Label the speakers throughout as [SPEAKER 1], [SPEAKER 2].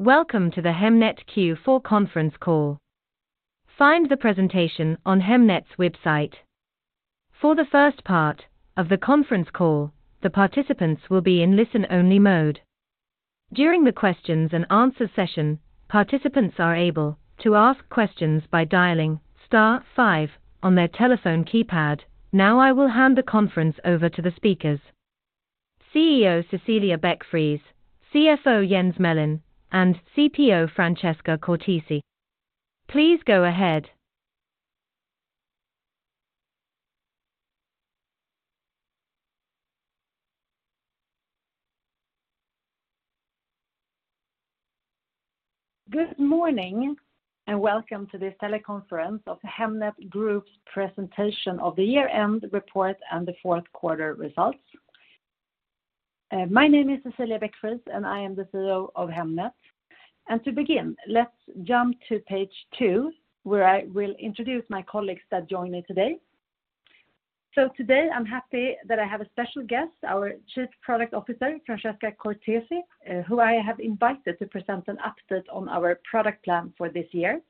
[SPEAKER 1] Welcome to the Hemnet Q4 Conference Call. Find the presentation on Hemnet's website. For the first part of the conference call, the participants will be in listen-only mode. During the questions and answer session, participants are able to ask questions by dialing star five on their telephone keypad. I will hand the conference over to the speakers, CEO Cecilia Beck-Friis, CFO Jens Melin, and CPO Francesca Cortesi. Please go ahead.
[SPEAKER 2] Good morning, and welcome to this teleconference of Hemnet Group's presentation of the year-end report and the Q4 results. My name is Cecilia Beck-Friis, and I am the CEO of Hemnet. To begin, let's jump to page two, where I will introduce my colleagues that join me today. Today, I'm happy that I have a special guest, our Chief Product Officer, Francesca Cortesi, who I have invited to present an update on our product plan for this year.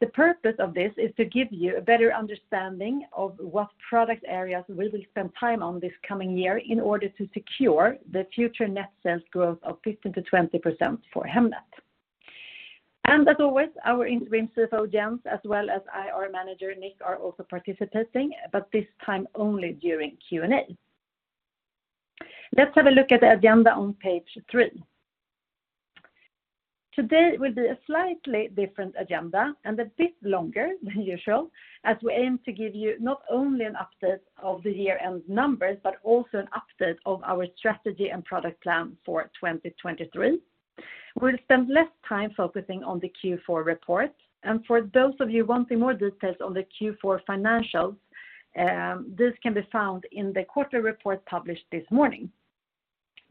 [SPEAKER 2] The purpose of this is to give you a better understanding of what product areas we will spend time on this coming year in order to secure the future net sales growth of 15% to 20% for Hemnet. As always, our interim CFO, Jens, as well as IR manager, Nick, are also participating, but this time only during Q&A. Let's have a look at the agenda on page 3. Today will be a slightly different agenda and a bit longer than usual as we aim to give you not only an update of the year-end numbers but also an update of our strategy and product plan for 2023. We'll spend less time focusing on the Q4 report. For those of you wanting more details on the Q4 financials, this can be found in the quarterly report published this morning.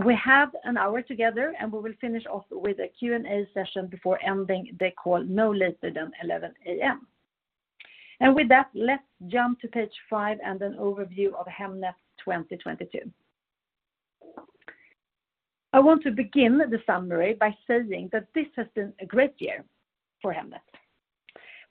[SPEAKER 2] We have an hour together, and we will finish off with a Q&A session before ending the call no later than 11:00 A.M. With that, let's jump to page 5 and an overview of Hemnet 2022. I want to begin the summary by saying that this has been a great year for Hemnet.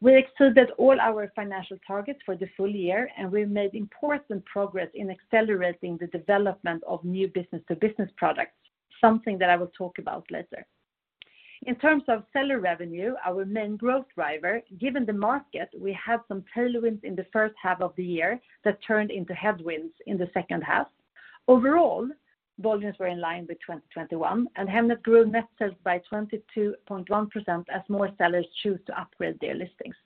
[SPEAKER 2] We exceeded all our financial targets for the full year, and we made important progress in accelerating the development of new business-to-business products, something that I will talk about later. In terms of seller revenue, our main growth driver, given the market, we had some tailwinds in the first half of the year that turned into headwinds in the second half. Overall, volumes were in line with 2021, and Hemnet grew net sales by 22.1% as more sellers choose to upgrade their listings.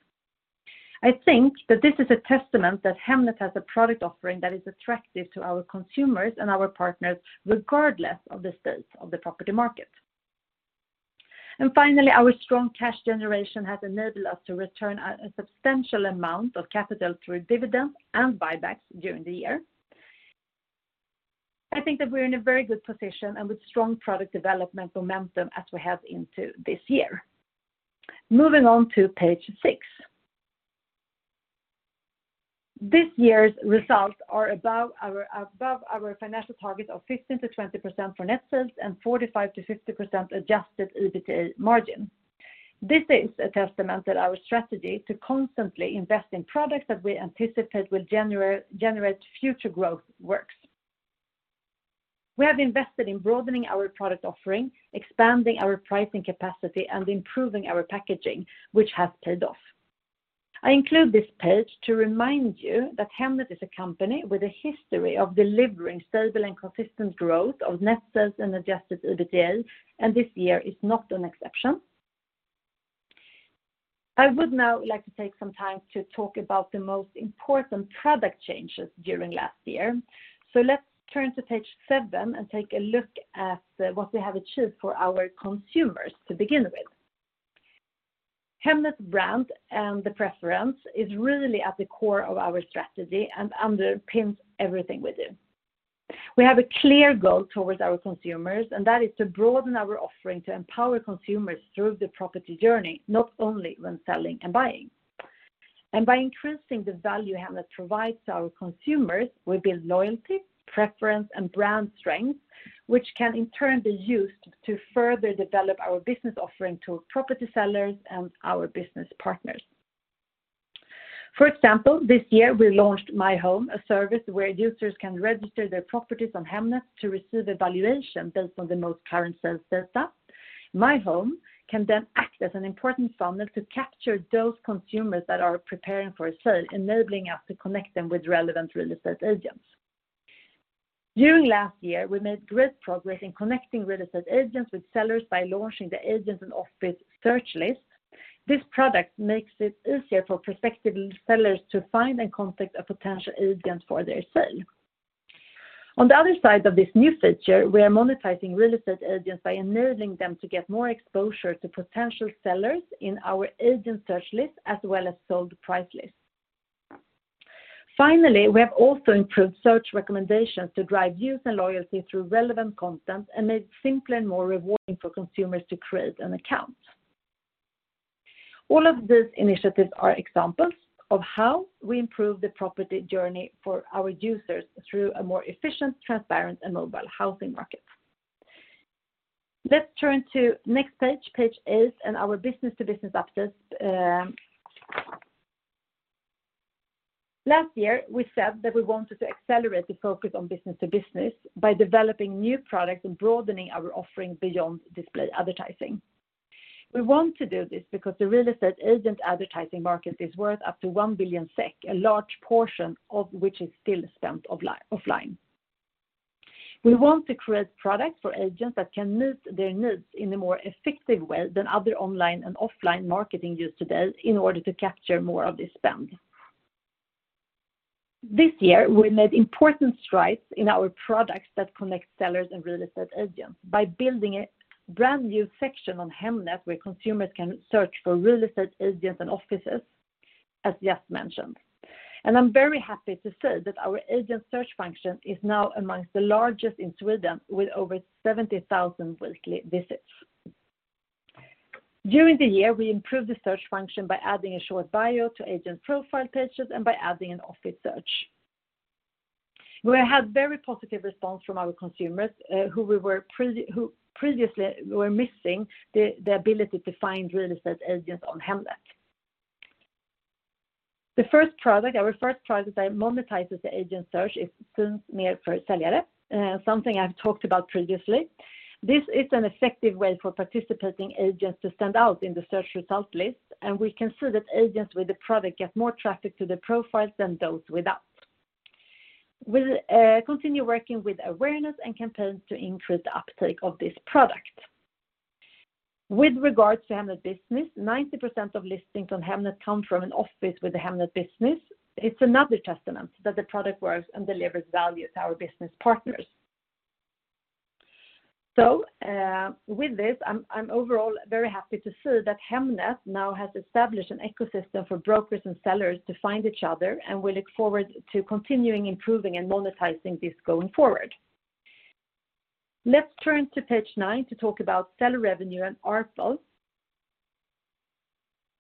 [SPEAKER 2] I think that this is a testament that Hemnet has a product offering that is attractive to our consumers and our partners, regardless of the state of the property market. Finally, our strong cash generation has enabled us to return a substantial amount of capital through dividends and buybacks during the year. I think that we're in a very good position and with strong product development momentum as we head into this year. Moving on to page 6. This year's results are above our financial target of 15% to 20% for net sales and 45% to 50% adjusted EBITDA margin. This is a testament that our strategy to constantly invest in products that we anticipate will generate future growth works. We have invested in broadening our product offering, expanding our pricing capacity, and improving our packaging, which has paid off. I include this page to remind you that Hemnet is a company with a history of delivering stable and consistent growth of net sales and adjusted EBITDA, and this year is not an exception. I would now like to take some time to talk about the most important product changes during last year. Let's turn to page 7 and take a look at what we have achieved for our consumers to begin with. Hemnet brand and the preference is really at the core of our strategy and underpins everything we do. We have a clear goal towards our consumers, and that is to broaden our offering to empower consumers through the property journey, not only when selling and buying. By increasing the value Hemnet provides to our consumers, we build loyalty, preference, and brand strength, which can in turn be used to further develop our business offering to property sellers and our business partners. For example, this year, we launched My Home, a service where users can register their properties on Hemnet to receive evaluation based on the most current sales data. My Home can then act as an important funnel to capture those consumers that are preparing for a sale, enabling us to connect them with relevant real estate agents. During last year, we made great progress in connecting real estate agents with sellers by launching the agent and office search list. This product makes it easier for prospective sellers to find and contact a potential agent for their sale. On the other side of this new feature, we are monetizing real estate agents by enabling them to get more exposure to potential sellers in our agent search list as well as sold price list. Finally, we have also improved search recommendations to drive use and loyalty through relevant content and made it simpler and more rewarding for consumers to create an account. All of these initiatives are examples of how we improve the property journey for our users through a more efficient, transparent, and mobile housing market. Let's turn to next page eight, and our business-to-business updates. Last year, we said that we wanted to accelerate the focus on business-to-business by developing new products and broadening our offering beyond display advertising. We want to do this because the real estate agent advertising market is worth up to 1 billion SEK, a large portion of which is still spent offline. We want to create products for agents that can meet their needs in a more effective way than other online and offline marketing used today in order to capture more of this spend. This year, we made important strides in our products that connect sellers and real estate agents by building a brand-new section on Hemnet where consumers can search for real estate agents and offices, as just mentioned. I'm very happy to say that our agent search function is now amongst the largest in Sweden, with over 70,000 weekly visits. During the year, we improved the search function by adding a short bio to agent profile pages and by adding an office search, where it had very positive response from our consumers, who previously were missing the ability to find real estate agents on Hemnet. The first product, our first product that monetizes the agent search is „Syns mer för säljare," something I've talked about previously. This is an effective way for participating agents to stand out in the search results list. We can see that agents with the product get more traffic to their profiles than those without. We'll continue working with awareness and campaigns to increase the uptake of this product. With regards to Hemnet Business, 90% of listings on Hemnet come from an office with a Hemnet Business. It's another testament that the product works and delivers value to our business partners. With this, I'm overall very happy to see that Hemnet now has established an ecosystem for brokers and sellers to find each other, and we look forward to continuing improving and monetizing this going forward. Let's turn to page 9 to talk about seller revenue and ARPU.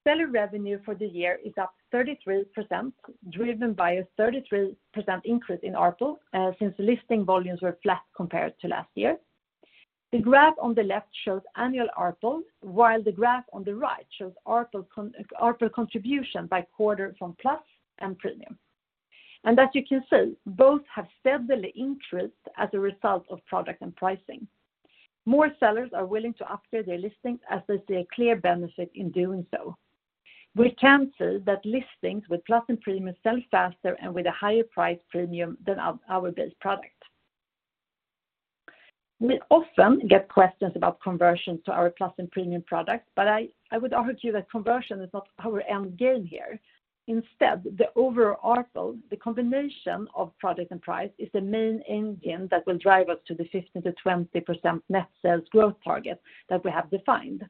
[SPEAKER 2] Seller revenue for the year is up 33%, driven by a 33% increase in ARPU, since listing volumes were flat compared to last year. The graph on the left shows annual ARPU, while the graph on the right shows ARPU contribution by quarter from Plus and Premium. As you can see, both have steadily increased as a result of product and pricing. More sellers are willing to update their listings as they see a clear benefit in doing so. We can see that listings with Plus and Premium sell faster and with a higher price premium than our base product. We often get questions about conversion to our Plus and Premium product, I would argue that conversion is not our end game here. The overall ARPU, the combination of product and price, is the main engine that will drive us to the 15% to 20% net sales growth target that we have defined.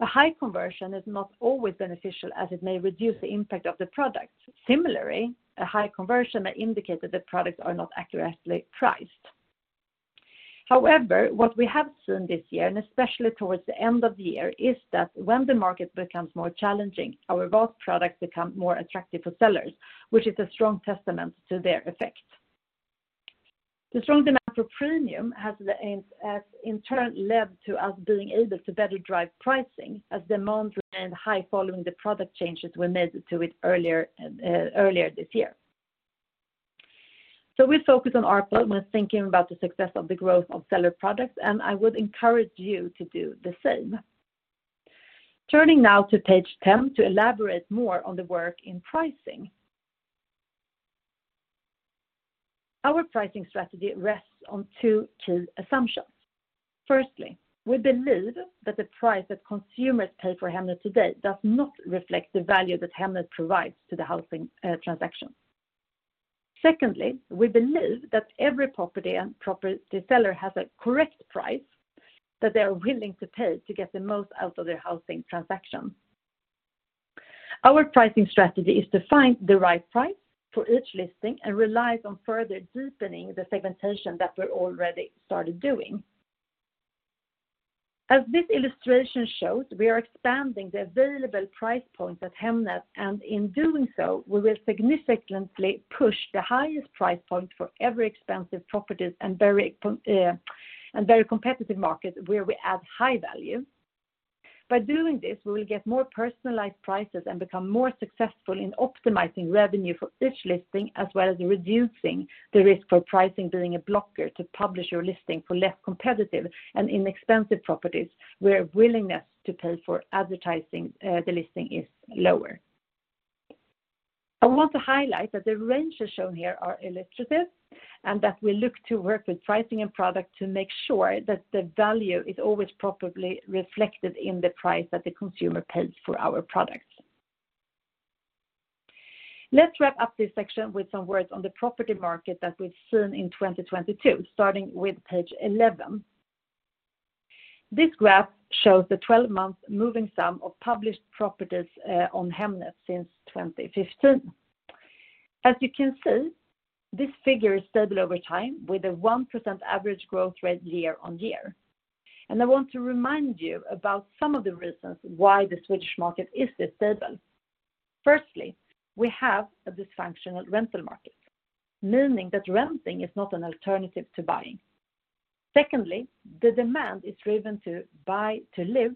[SPEAKER 2] A high conversion is not always beneficial as it may reduce the impact of the product. A high conversion may indicate that the products are not accurately priced. What we have seen this year, and especially towards the end of the year, is that when the market becomes more challenging, our both products become more attractive for sellers, which is a strong testament to their effect. The strong demand for Premium has in turn led to us being able to better drive pricing as demand remained high following the product changes we made to it earlier this year. We focus on ARPU when thinking about the success of the growth of seller products, and I would encourage you to do the same. Turning now to page 10 to elaborate more on the work in pricing. Our pricing strategy rests on two key assumptions. Firstly, we believe that the price that consumers pay for Hemnet today does not reflect the value that Hemnet provides to the housing transaction. Secondly, we believe that every property seller has a correct price that they are willing to pay to get the most out of their housing transaction. Our pricing strategy is to find the right price for each listing and relies on further deepening the segmentation that we're already started doing. As this illustration shows, we are expanding the available price points at Hemnet, and in doing so, we will significantly push the highest price point for every expensive properties and very competitive markets where we add high value. By doing this, we will get more personalized prices and become more successful in optimizing revenue for each listing, as well as reducing the risk for pricing being a blocker to publish your listing for less competitive and inexpensive properties where willingness to pay for advertising the listing, is lower. I want to highlight that the ranges shown here are illustrative and that we look to work with pricing and product to make sure that the value is always properly reflected in the price that the consumer pays for our products. Let's wrap up this section with some words on the property market that we've seen in 2022, starting with page 11. This graph shows the 12-month moving sum of published properties on Hemnet since 2015. As you can see, this figure is stable over time with a 1% average growth rate year-on-year. I want to remind you about some of the reasons why the Swedish market is this stable. Firstly, we have a dysfunctional rental market, meaning that renting is not an alternative to buying. Secondly, the demand is driven to buy to live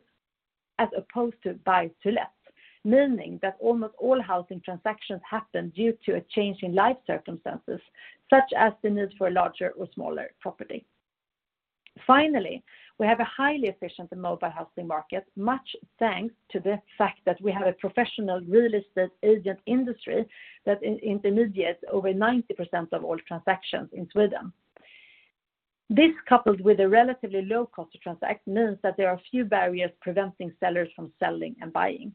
[SPEAKER 2] as opposed to buy to let, meaning that almost all housing transactions happen due to a change in life circumstances, such as the need for a larger or smaller property. Finally, we have a highly efficient and mobile housing market, much thanks to the fact that we have a professional real estate agent industry that intermediates over 90% of all transactions in Sweden. This, coupled with a relatively low cost to transact, means that there are few barriers preventing sellers from selling and buying.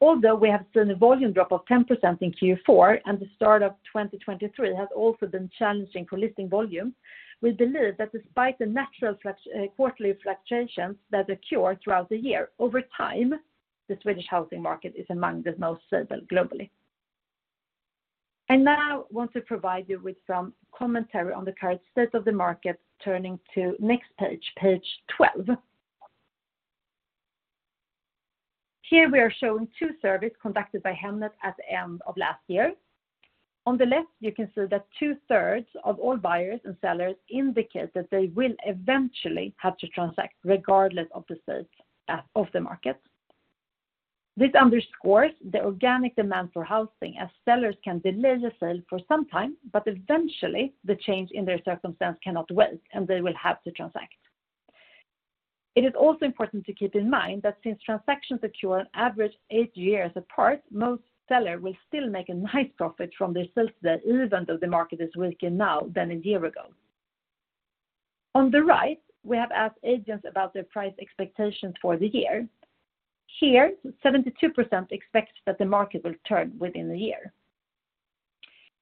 [SPEAKER 2] Although we have seen a volume drop of 10% in Q4, and the start of 2023 has also been challenging for listing volume, we believe that despite the natural quarterly fluctuations that occur throughout the year, over time, the Swedish housing market is among the most stable globally. I now want to provide you with some commentary on the current state of the market, turning to next page 12. Here, we are showing two surveys conducted by Hemnet at the end of last year. On the left, you can see that 2/3 of all buyers and sellers indicate that they will eventually have to transact regardless of the state of the market. This underscores the organic demand for housing, as sellers can delay the sale for some time, but eventually the change in their circumstance cannot wait, and they will have to transact. It is also important to keep in mind that since transactions occur an average 8 years apart, most seller will still make a nice profit from their sale today even though the market is weaker now than a year ago. On the right, we have asked agents about their price expectations for the year. Here, 72% expect that the market will turn within the year.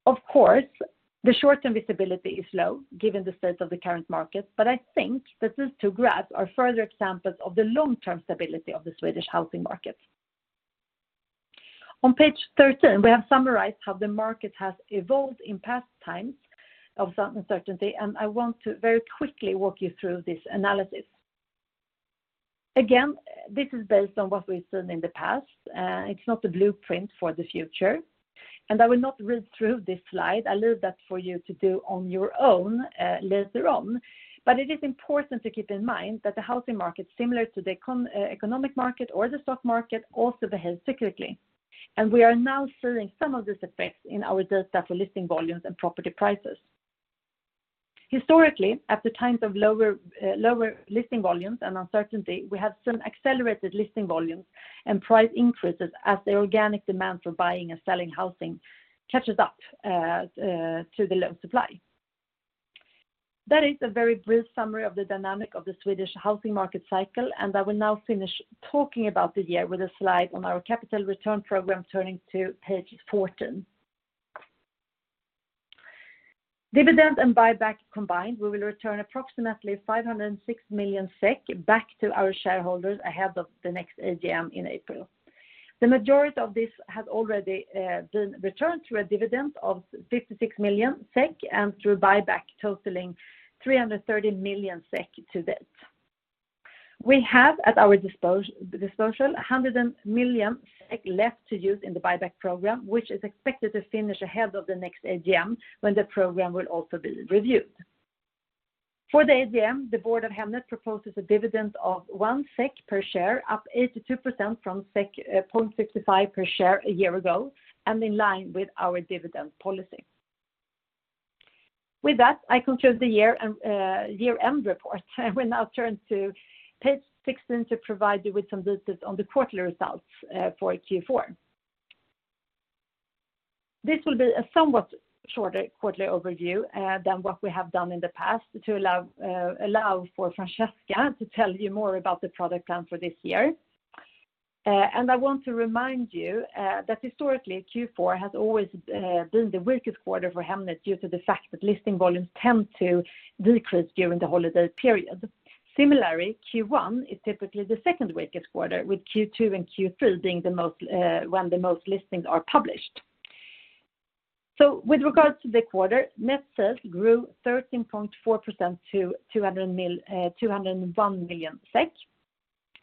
[SPEAKER 2] Of course, the short-term visibility is low given the state of the current market, I think that these two graphs are further examples of the long-term stability of the Swedish housing market. On page 13, we have summarized how the market has evolved in past times of certain uncertainty, I want to very quickly walk you through this analysis. Again, this is based on what we've seen in the past. It's not a blueprint for the future. I will not read through this slide. I'll leave that for you to do on your own later on. It is important to keep in mind that the housing market, similar to the economic market or the stock market, also behaves cyclically. We are now seeing some of this effects in our data for listing volumes and property prices. Historically, at the times of lower listing volumes and uncertainty, we have seen accelerated listing volumes and price increases as the organic demand for buying and selling housing catches up to the low supply. That is a very brief summary of the dynamic of the Swedish housing market cycle. I will now finish talking about the year with a slide on our capital return program, turning to page 14. Dividend and buyback combined, we will return approximately 506 million SEK back to our shareholders ahead of the next AGM in April. The majority of this has already been returned through a dividend of 56 million SEK and through buyback totaling 330 million SEK to date. We have at our disposal 100 million SEK left to use in the buyback program, which is expected to finish ahead of the next AGM when the program will also be reviewed. For the AGM, the board of Hemnet proposes a dividend of 1 SEK per share, up 82% from 0.65 per share a year ago and in line with our dividend policy. With that, I conclude the year and year-end report. I will now turn to page 16 to provide you with some details on the quarterly results for Q4. This will be a somewhat shorter quarterly overview than what we have done in the past to allow for Francesca to tell you more about the product plan for this year. I want to remind you that historically, Q4 has always been the weakest quarter for Hemnet due to the fact that listing volumes tend to decrease during the holiday period. Similarly, Q1 is typically the second weakest quarter, with Q2 and Q3 being the most when the most listings are published. With regards to the quarter, net sales grew 13.4% to 201 million SEK.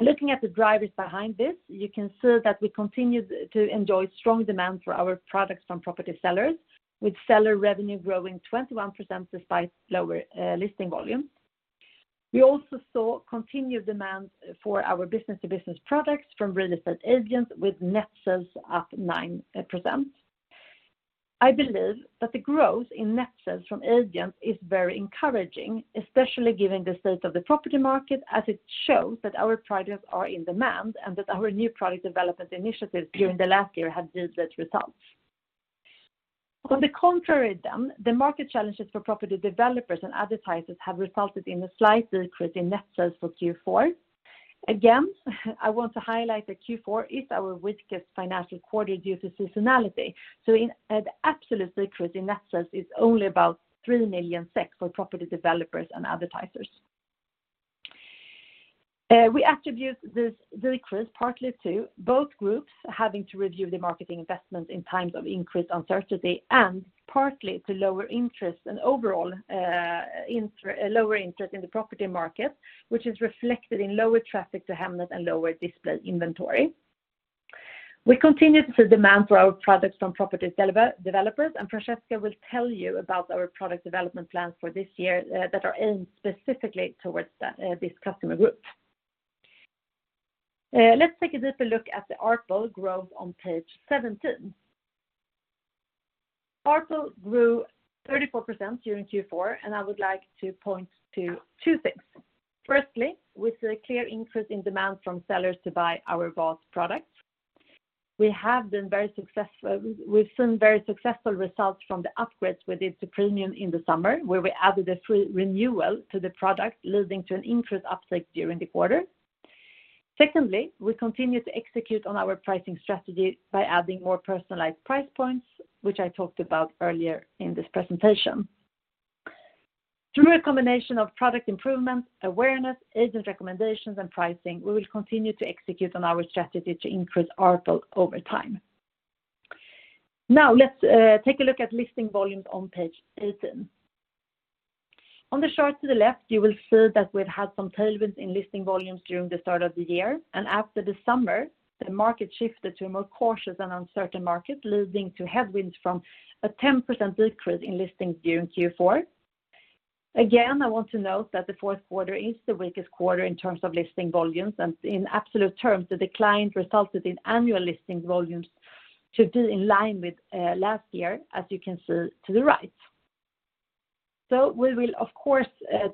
[SPEAKER 2] Looking at the drivers behind this, you can see that we continued to enjoy strong demand for our products from property sellers, with seller revenue growing 21% despite lower listing volume. We also saw continued demand for our business-to-business products from real estate agents with net sales up 9%. I believe that the growth in net sales from agents is very encouraging, especially given the state of the property market, as it shows that our products are in demand and that our new product development initiatives during the last year have yielded results. On the contrary, the market challenges for property developers and advertisers have resulted in a slight decrease in net sales for Q4. Again, I want to highlight that Q4 is our weakest financial quarter due to seasonality. An absolute decrease in net sales is only about 3 million SEK for property developers and advertisers. We attribute this decrease partly to both groups having to review the marketing investments in times of increased uncertainty, and partly to lower interest and overall, lower interest in the property market, which is reflected in lower traffic to Hemnet and lower display inventory. We continue to see demand for our products from property developers, and Francesca will tell you about our product development plans for this year that are aimed specifically towards this customer group. Let's take a deeper look at the ARPL growth on page 17. ARPL grew 34% during Q4, and I would like to point to two things. Firstly, we see a clear increase in demand from sellers to buy our value-added products. We've seen very successful results from the upgrades we did to Premium in the summer, where we added a free renewal to the product, leading to an increased uptake during the quarter. Secondly, we continue to execute on our pricing strategy by adding more personalized price points, which I talked about earlier in this presentation. Through a combination of product improvements, awareness, agent recommendations, and pricing, we will continue to execute on our strategy to increase ARPL over time. Now, let's take a look at listing volumes on page 18. On the chart to the left, you will see that we've had some tailwinds in listing volumes during the start of the year, and after the summer, the market shifted to a more cautious and uncertain market, leading to headwinds from a 10% decrease in listings during Q4. Again, I want to note that the Q4 is the weakest quarter in terms of listing volumes, and in absolute terms, the decline resulted in annual listing volumes to be in line with last year, as you can see to the right. We will of course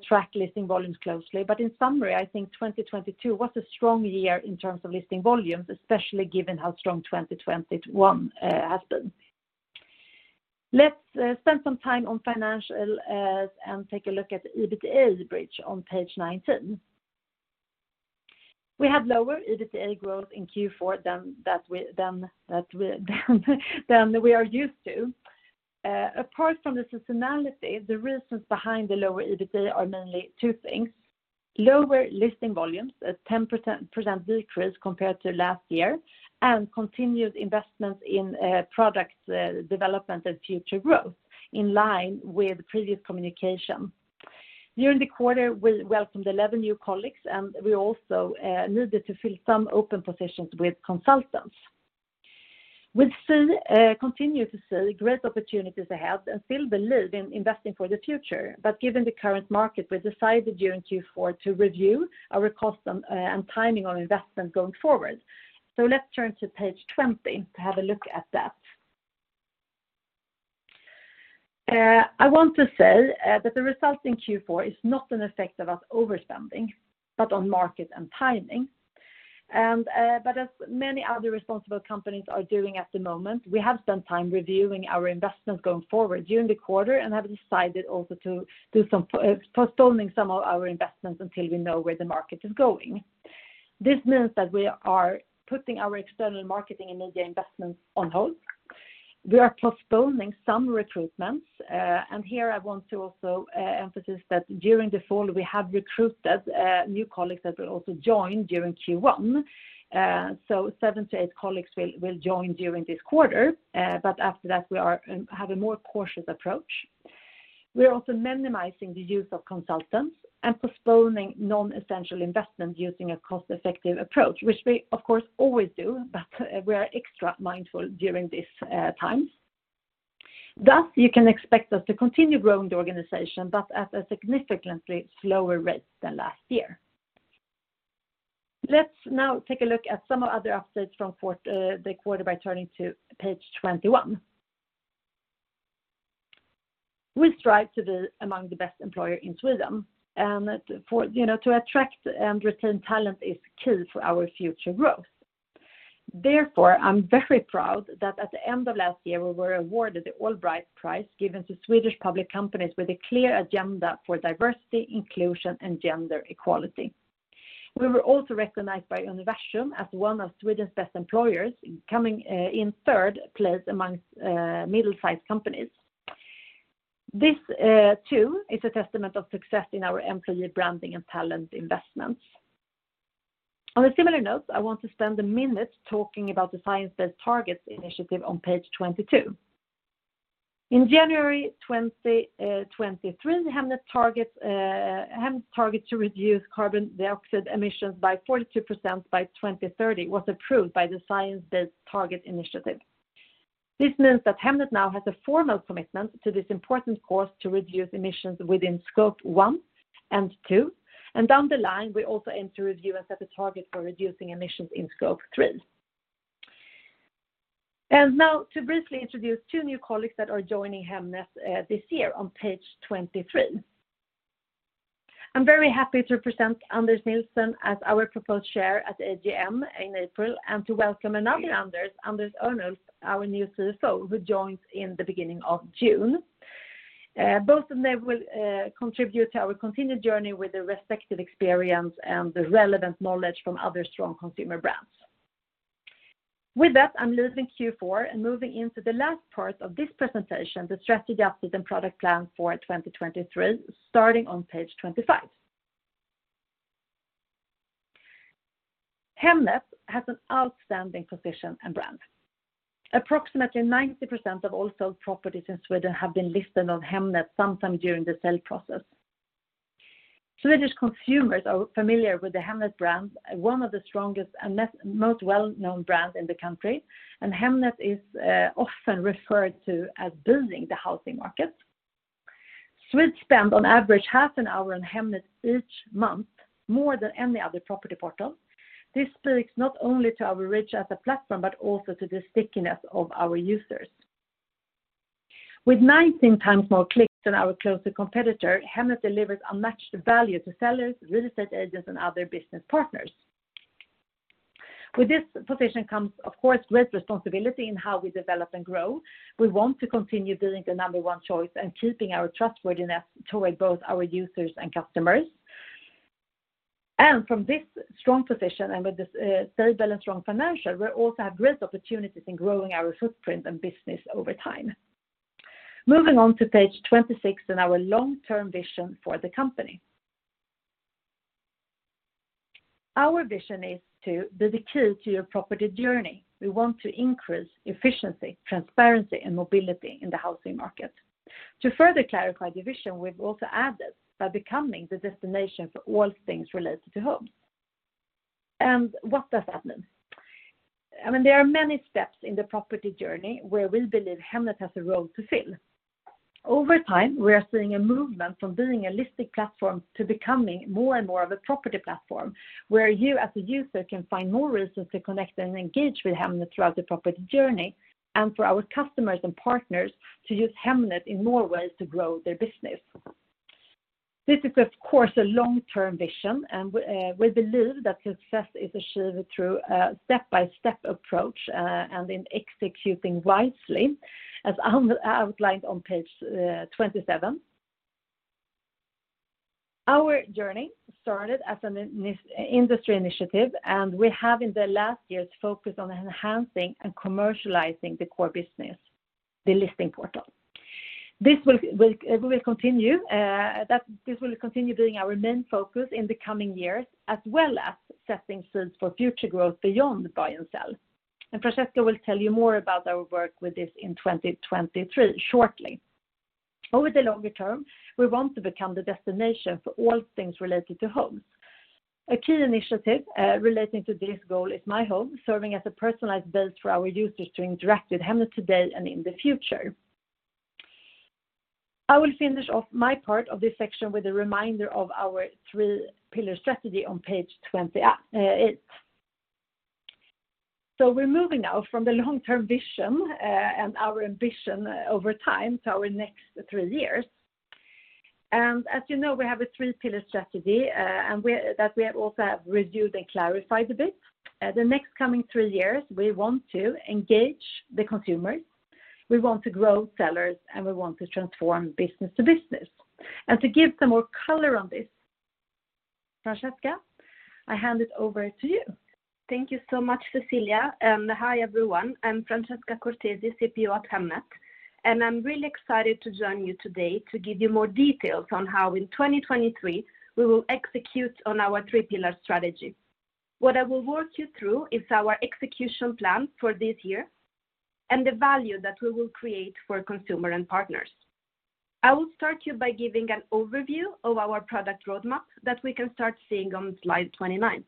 [SPEAKER 2] track listing volumes closely, but in summary, I think 2022 was a strong year in terms of listing volumes, especially given how strong 2021 has been. Let's spend some time on financial and take a look at the EBITDA bridge on page 19. We had lower EBITDA growth in Q4 than we are used to. Apart from the seasonality, the reasons behind the lower EBITDA are mainly two things: lower listing volumes, a 10% decrease compared to last year, and continued investments in product development and future growth, in line with previous communication. During the quarter, we welcomed 11 new colleagues. We also needed to fill some open positions with consultants. We've seen, continue to see great opportunities ahead and still believe in investing for the future. Given the current market, we decided during Q4 to review our cost and timing of investment going forward. Let's turn to page 20 to have a look at that. I want to say that the results in Q4 is not an effect of us overspending, but on market and timing. As many other responsible companies are doing at the moment, we have spent time reviewing our investments going forward during the quarter and have decided also to do some postponing some of our investments until we know where the market is going. This means that we are putting our external marketing and media investments on hold. We are postponing some recruitments. Here I want to also emphasize that during the fall, we have recruited new colleagues that will also join during Q1. 7 to 8 colleagues will join during this quarter. After that, we are have a more cautious approach. We are also minimizing the use of consultants and postponing non-essential investment using a cost-effective approach, which we of course always do, but we are extra mindful during this times. Thus, you can expect us to continue growing the organization, but at a significantly slower rate than last year. Let's now take a look at some other updates from the quarter by turning to page 21. We strive to be among the best employer in Sweden, and for, you know, to attract and retain talent is key for our future growth. Therefore, I'm very proud that at the end of last year, we were awarded the Allbright Prize, given to Swedish public companies with a clear agenda for diversity, inclusion, and gender equality. We were also recognized by Universum as one of Sweden's best employers, coming in third place amongst middle-sized companies. This, too, is a testament of success in our employee branding and talent investments. On a similar note, I want to spend a minute talking about the Science Based Targets initiative on page 22. In January 2023, Hemnet targets, Hemnet's target to reduce carbon dioxide emissions by 42% by 2030 was approved by the Science Based Targets initiative. This means that Hemnet now has a formal commitment to this important course to reduce emissions within Scope 1 and 2, and down the line, we also aim to review and set a target for reducing emissions in Scope 3. Now to briefly introduce two new colleagues that are joining Hemnet this year on page 23. I'm very happy to present Anders Nyman as our proposed chair at the AGM in April, and to welcome another Anders Örning, our new CFO, who joins in the beginning of June. Both of them will contribute to our continued journey with their respective experience and the relevant knowledge from other strong consumer brands. With that, I'm leaving Q4 and moving into the last part of this presentation, the strategy update and product plan for 2023, starting on page 25. Hemnet has an outstanding position and brand. Approximately 90% of all sold properties in Sweden have been listed on Hemnet sometime during the sale process. Swedish consumers are familiar with the Hemnet brand, one of the strongest and most well-known brands in the country. Hemnet is often referred to as building the housing market. Swedes spend on average half an hour on Hemnet each month, more than any other property portal. This speaks not only to our reach as a platform, but also to the stickiness of our users. With 19x more clicks than our closest competitor, Hemnet delivers unmatched value to sellers, real estate agents, and other business partners. With this position comes, of course, great responsibility in how we develop and grow. We want to continue being the number one choice and keeping our trustworthiness toward both our users and customers. From this strong position, and with this, very balanced, strong financial, we also have great opportunities in growing our footprint and business over time. Moving on to page 26 and our long-term vision for the company. Our vision is to be the key to your property journey. We want to increase efficiency, transparency, and mobility in the housing market. To further clarify the vision, we've also added by becoming the destination for all things related to homes. What does that mean? I mean, there are many steps in the property journey where we believe Hemnet has a role to fill. Over time, we are seeing a movement from being a listing platform to becoming more and more of a property platform, where you, as a user, can find more reasons to connect and engage with Hemnet throughout the property journey, and for our customers and partners to use Hemnet in more ways to grow their business. This is, of course, a long-term vision. We believe that success is achieved through a step-by-step approach, and in executing wisely, as I'm outlined on page 27. Our journey started as an industry initiative, and we have, in the last years, focused on enhancing and commercializing the core business, the listing portal. This will continue being our main focus in the coming years, as well as setting seeds for future growth beyond buy and sell. Francesca will tell you more about our work with this in 2023 shortly. Over the longer term, we want to become the destination for all things related to homes. A key initiative relating to this goal is My Home, serving as a personalized base for our users to interact with Hemnet today and in the future. I will finish off my part of this section with a reminder of our three pillar strategy on page 28. We're moving now from the long-term vision and our ambition over time to our next three years. As you know, we have a three pillar strategy, and we have also reviewed and clarified a bit. The next coming three years, we want to engage the consumers, we want to grow sellers, and we want to transform business to business. To give some more color on this, Francesca, I hand it over to you.
[SPEAKER 3] Thank you so much, Cecilia. Hi, everyone. I'm Francesca Cortesi, CPO at Hemnet, and I'm really excited to join you today to give you more details on how in 2023 we will execute on our three pillar strategy. What I will walk you through is our execution plan for this year and the value that we will create for consumer and partners. I will start you by giving an overview of our product roadmap that we can start seeing on slide 29.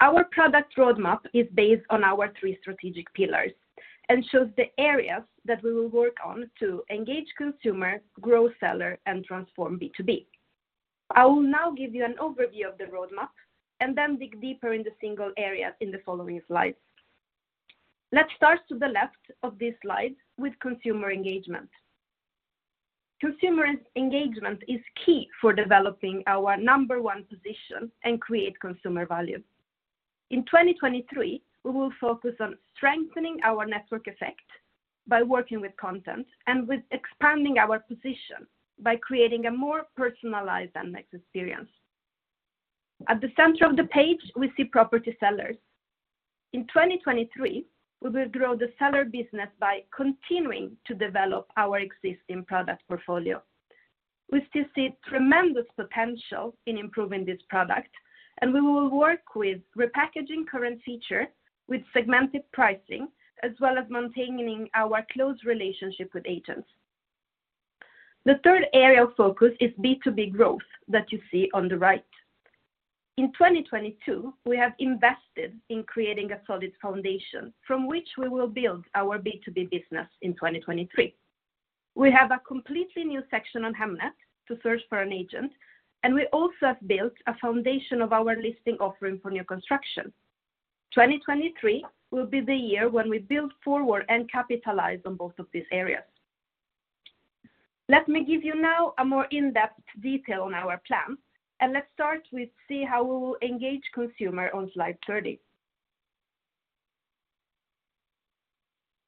[SPEAKER 3] Our product roadmap is based on our three strategic pillars and shows the areas that we will work on to engage consumer, grow seller, and transform B2B. I will now give you an overview of the roadmap and then dig deeper in the single areas in the following slides. Let's start to the left of this slide with consumer engagement. Consumer engagement is key for developing our number one position and create consumer value. In 2023, we will focus on strengthening our network effect by working with content and with expanding our position by creating a more personalized and mixed experience. At the center of the page, we see property sellers. In 2023, we will grow the seller business by continuing to develop our existing product portfolio. We still see tremendous potential in improving this product. We will work with repackaging current features with segmented pricing, as well as maintaining our close relationship with agents. The third area of focus is B2B growth that you see on the right. In 2022, we have invested in creating a solid foundation from which we will build our B2B business in 2023. We have a completely new section on Hemnet to search for an agent, and we also have built a foundation of our listing offering for new construction. 2023 will be the year when we build forward and capitalize on both of these areas. Let me give you now a more in-depth detail on our plan, and let's start with see how we will engage consumer on slide 30.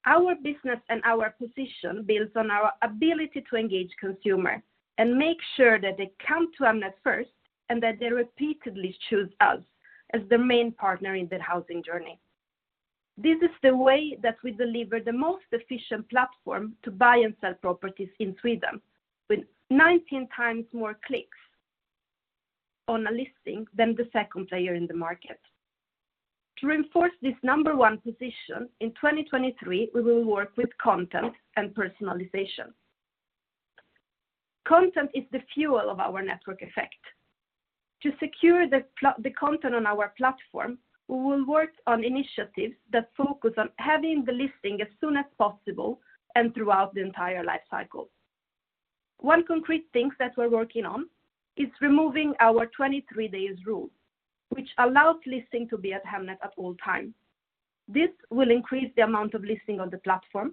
[SPEAKER 3] Our business and our position builds on our ability to engage consumer and make sure that they come to Hemnet first and that they repeatedly choose us as their main partner in their housing journey. This is the way that we deliver the most efficient platform to buy and sell properties in Sweden, with 19 times more clicks on a listing than the second player in the market. To reinforce this number one position, in 2023, we will work with content and personalization. Content is the fuel of our network effect. To secure the content on our platform, we will work on initiatives that focus on having the listing as soon as possible and throughout the entire life cycle. One concrete thing that we're working on is removing our 23 days rule, which allows listing to be at Hemnet at all times. This will increase the amount of listing on the platform,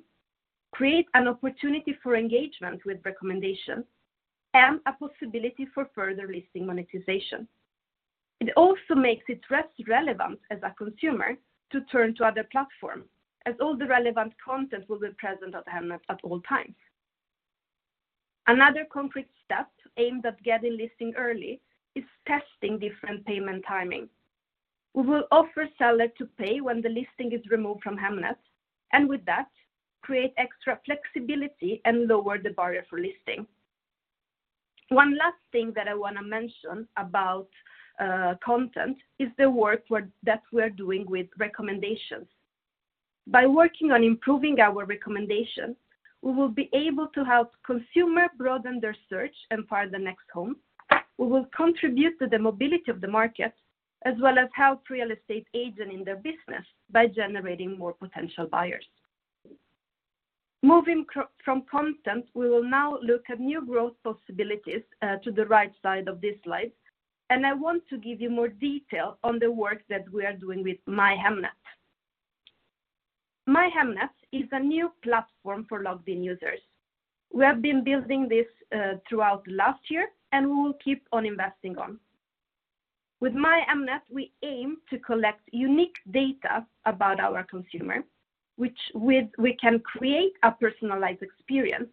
[SPEAKER 3] create an opportunity for engagement with recommendations, and a possibility for further listing monetization. It also makes it less relevant as a consumer to turn to other platform, as all the relevant content will be present at Hemnet at all times. Another concrete step aimed at getting listing early is testing different payment timing. We will offer seller to pay when the listing is removed from Hemnet, with that, create extra flexibility and lower the barrier for listing. One last thing that I wanna mention about content is the work that we're doing with recommendations. By working on improving our recommendations, we will be able to help consumer broaden their search and find the next home. We will contribute to the mobility of the market, as well as help real estate agent in their business by generating more potential buyers. Moving from content, we will now look at new growth possibilities to the right side of this slide, I want to give you more detail on the work that we are doing with MyHemnet. MyHemnet is a new platform for logged-in users. We have been building this throughout last year, we will keep on investing on. With MyHemnet, we aim to collect unique data about our consumer, which with we can create a personalized experience,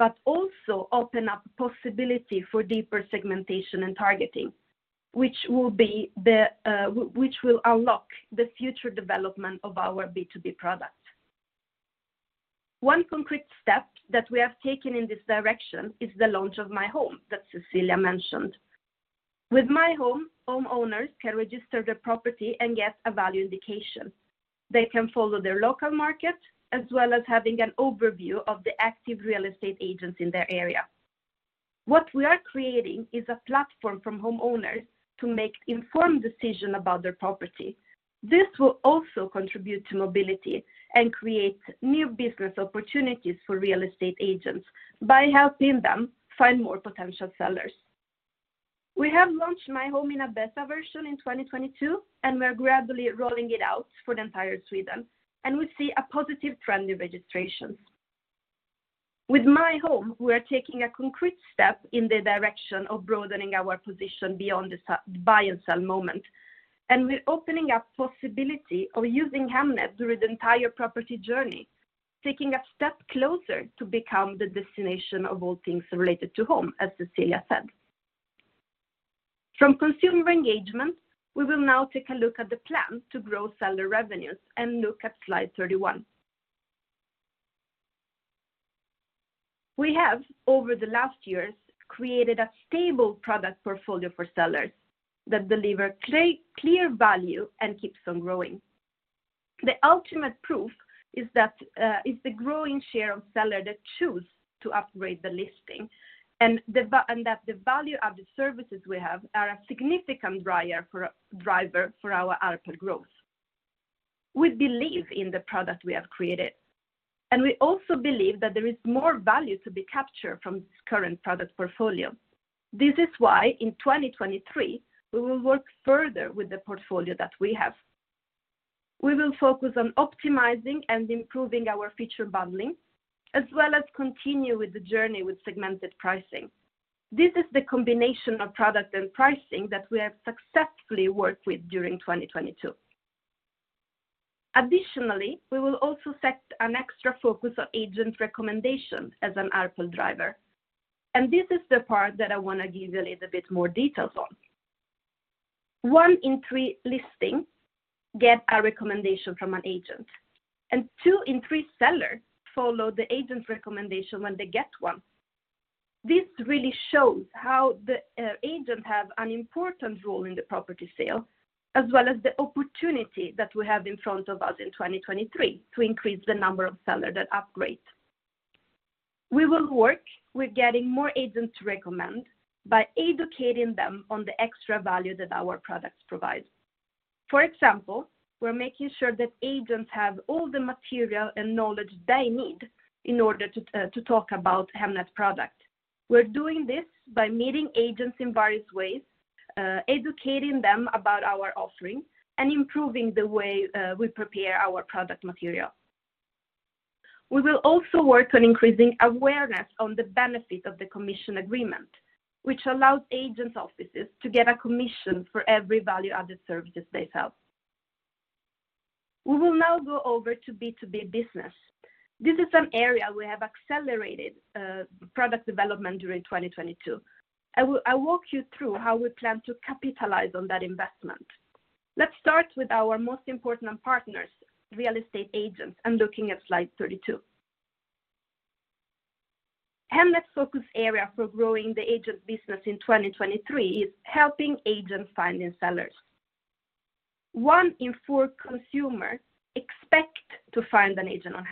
[SPEAKER 3] but also open up possibility for deeper segmentation and targeting, which will unlock the future development of our B2B product. One concrete step that we have taken in this direction is the launch of My Home that Cecilia mentioned. With My Home, homeowners can register their property and get a value indication. They can follow their local market, as well as having an overview of the active real estate agents in their area. What we are creating is a platform from homeowners to make informed decision about their property. This will also contribute to mobility and create new business opportunities for real estate agents by helping them find more potential sellers. We have launched My Home in a beta version in 2022. We're gradually rolling it out for the entire Sweden. We see a positive trend in registrations. With My Home, we're taking a concrete step in the direction of broadening our position beyond the buy and sell moment. We're opening up possibility of using Hemnet through the entire property journey, taking a step closer to become the destination of all things related to home, as Cecilia said. From consumer engagement, we will now take a look at the plan to grow seller revenues and look at slide 31. We have, over the last years, created a stable product portfolio for sellers that deliver clear value and keeps on growing. The ultimate proof is that is the growing share of seller that choose to upgrade the listing and that the value of the services we have are a significant driver for our ARPL growth. We believe in the product we have created, and we also believe that there is more value to be captured from this current product portfolio. This is why in 2023, we will work further with the portfolio that we have. We will focus on optimizing and improving our feature bundling, as well as continue with the journey with segmented pricing. This is the combination of product and pricing that we have successfully worked with during 2022. Additionally, we will also set an extra focus on agent recommendation as an ARPL driver. This is the part that I wanna give a little bit more details on. One in three listings get a recommendation from an agent, and 2 in 3 sellers follow the agent's recommendation when they get one. This really shows how the agent have an important role in the property sale, as well as the opportunity that we have in front of us in 2023 to increase the number of seller that upgrade. We will work with getting more agents to recommend by educating them on the extra value that our products provide. For example, we're making sure that agents have all the material and knowledge they need in order to talk about Hemnet product. We're doing this by meeting agents in various ways, educating them about our offerings, and improving the way we prepare our product material. We will also work on increasing awareness on the benefit of the commission agreement, which allows agent offices to get a commission for every value-added services they sell. We will now go over to B2B business. This is an area we have accelerated product development during 2022. I'll walk you through how we plan to capitalize on that investment. Let's start with our most important partners, real estate agents, and looking at slide 32. Hemnet's focus area for growing the agent business in 2023 is helping agents finding sellers. One in four consumers expect to find an agent on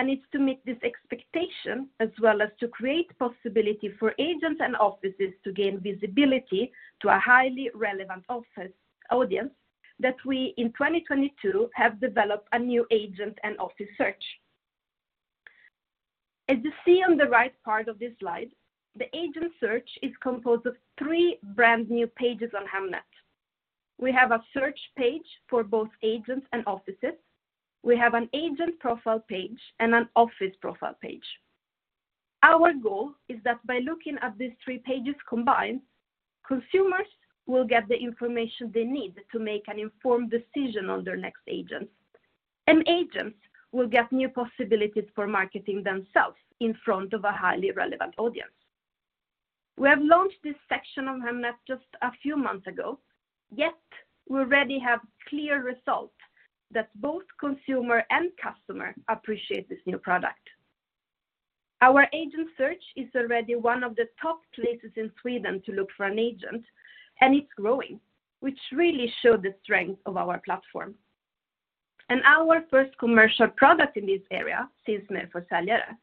[SPEAKER 3] Hemnet, It's to meet this expectation, as well as to create possibility for agents and offices to gain visibility to a highly relevant office audience, that we, in 2022, have developed a new agent and office search. As you see on the right part of this slide, the agent search is composed of three brand-new pages on Hemnet. We have a search page for both agents and offices. We have an agent profile page and an office profile page. Our goal is that by looking at these three pages combined, consumers will get the information they need to make an informed decision on their next agent, Agents will get new possibilities for marketing themselves in front of a highly relevant audience. We have launched this section on Hemnet just a few months ago, yet we already have clear results that both consumer and customer appreciate this new product. Our agent search is already one of the top places in Sweden to look for an agent, and it's growing, which really show the strength of our platform. Our first commercial product in this area, Syns Mer För Säljare,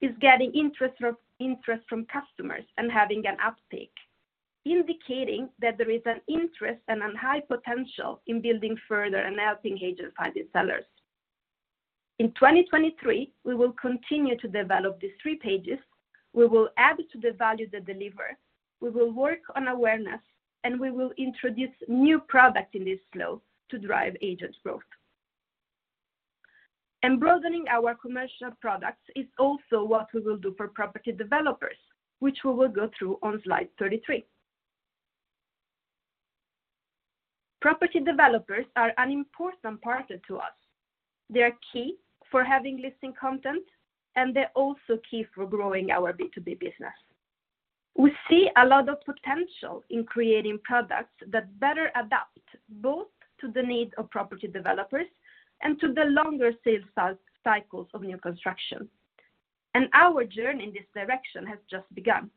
[SPEAKER 3] is getting interest from customers and having an uptake, indicating that there is an interest and a high potential in building further and helping agents finding sellers. In 2023, we will continue to develop these three pages. We will add to the value they deliver. We will work on awareness, and we will introduce new product in this flow to drive agent growth. Broadening our commercial products is also what we will do for property developers, which we will go through on slide 33. Property developers are an important partner to us. They are key for having listing content, and they're also key for growing our B2B business. We see a lot of potential in creating products that better adapt both to the needs of property developers and to the longer sales cycles of new construction, and our journey in this direction has just begun.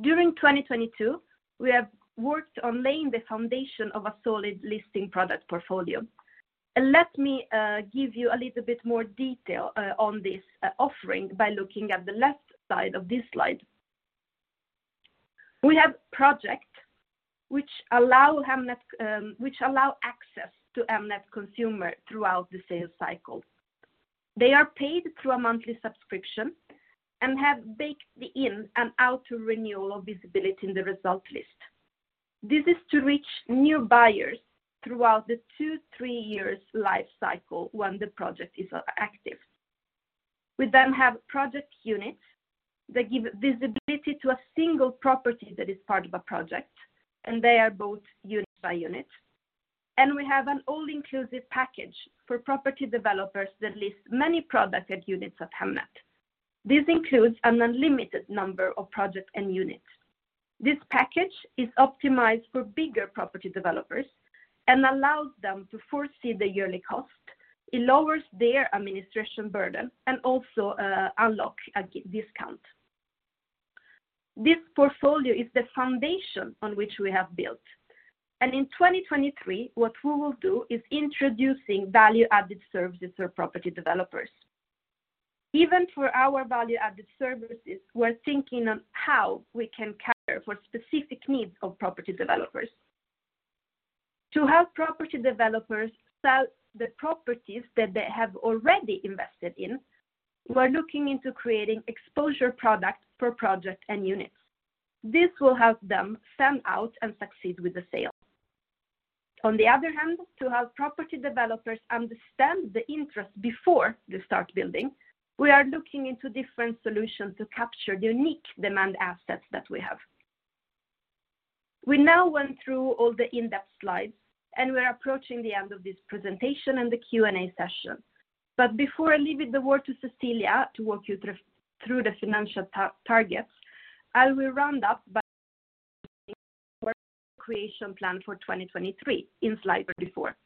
[SPEAKER 3] During 2022, we have worked on laying the foundation of a solid listing product portfolio. Let me give you a little bit more detail on this offering by looking at the left side of this slide. We have Which allow access to Hemnet consumer throughout the sales cycle. They are paid through a monthly subscription and have baked in an auto-renewal of visibility in the result list. This is to reach new buyers throughout the 2 to 3 years life cycle when the project is active. We then have project units that give visibility to a single property that is part of a project, and they are bought unit by unit. We have an all-inclusive package for property developers that list many product and units of Hemnet. This includes an unlimited number of projects and units. This package is optimized for bigger property developers and allows them to foresee the yearly cost. It lowers their administration burden and also unlock a discount. This portfolio is the foundation on which we have built. In 2023, what we will do is introducing value-added services for property developers. Even for our value-added services, we're thinking on how we can cater for specific needs of property developers. To help property developers sell the properties that they have already invested in, we're looking into creating exposure products per project and units. This will help them stand out and succeed with the sale. On the other hand, to help property developers understand the interest before they start building, we are looking into different solutions to capture the unique demand assets that we have. We now went through all the in-depth slides, and we're approaching the end of this presentation and the Q&A session. Before I leave it the word to Cecilia to walk you through the financial targets, I will round up by creation plan for 2023 in slide 34.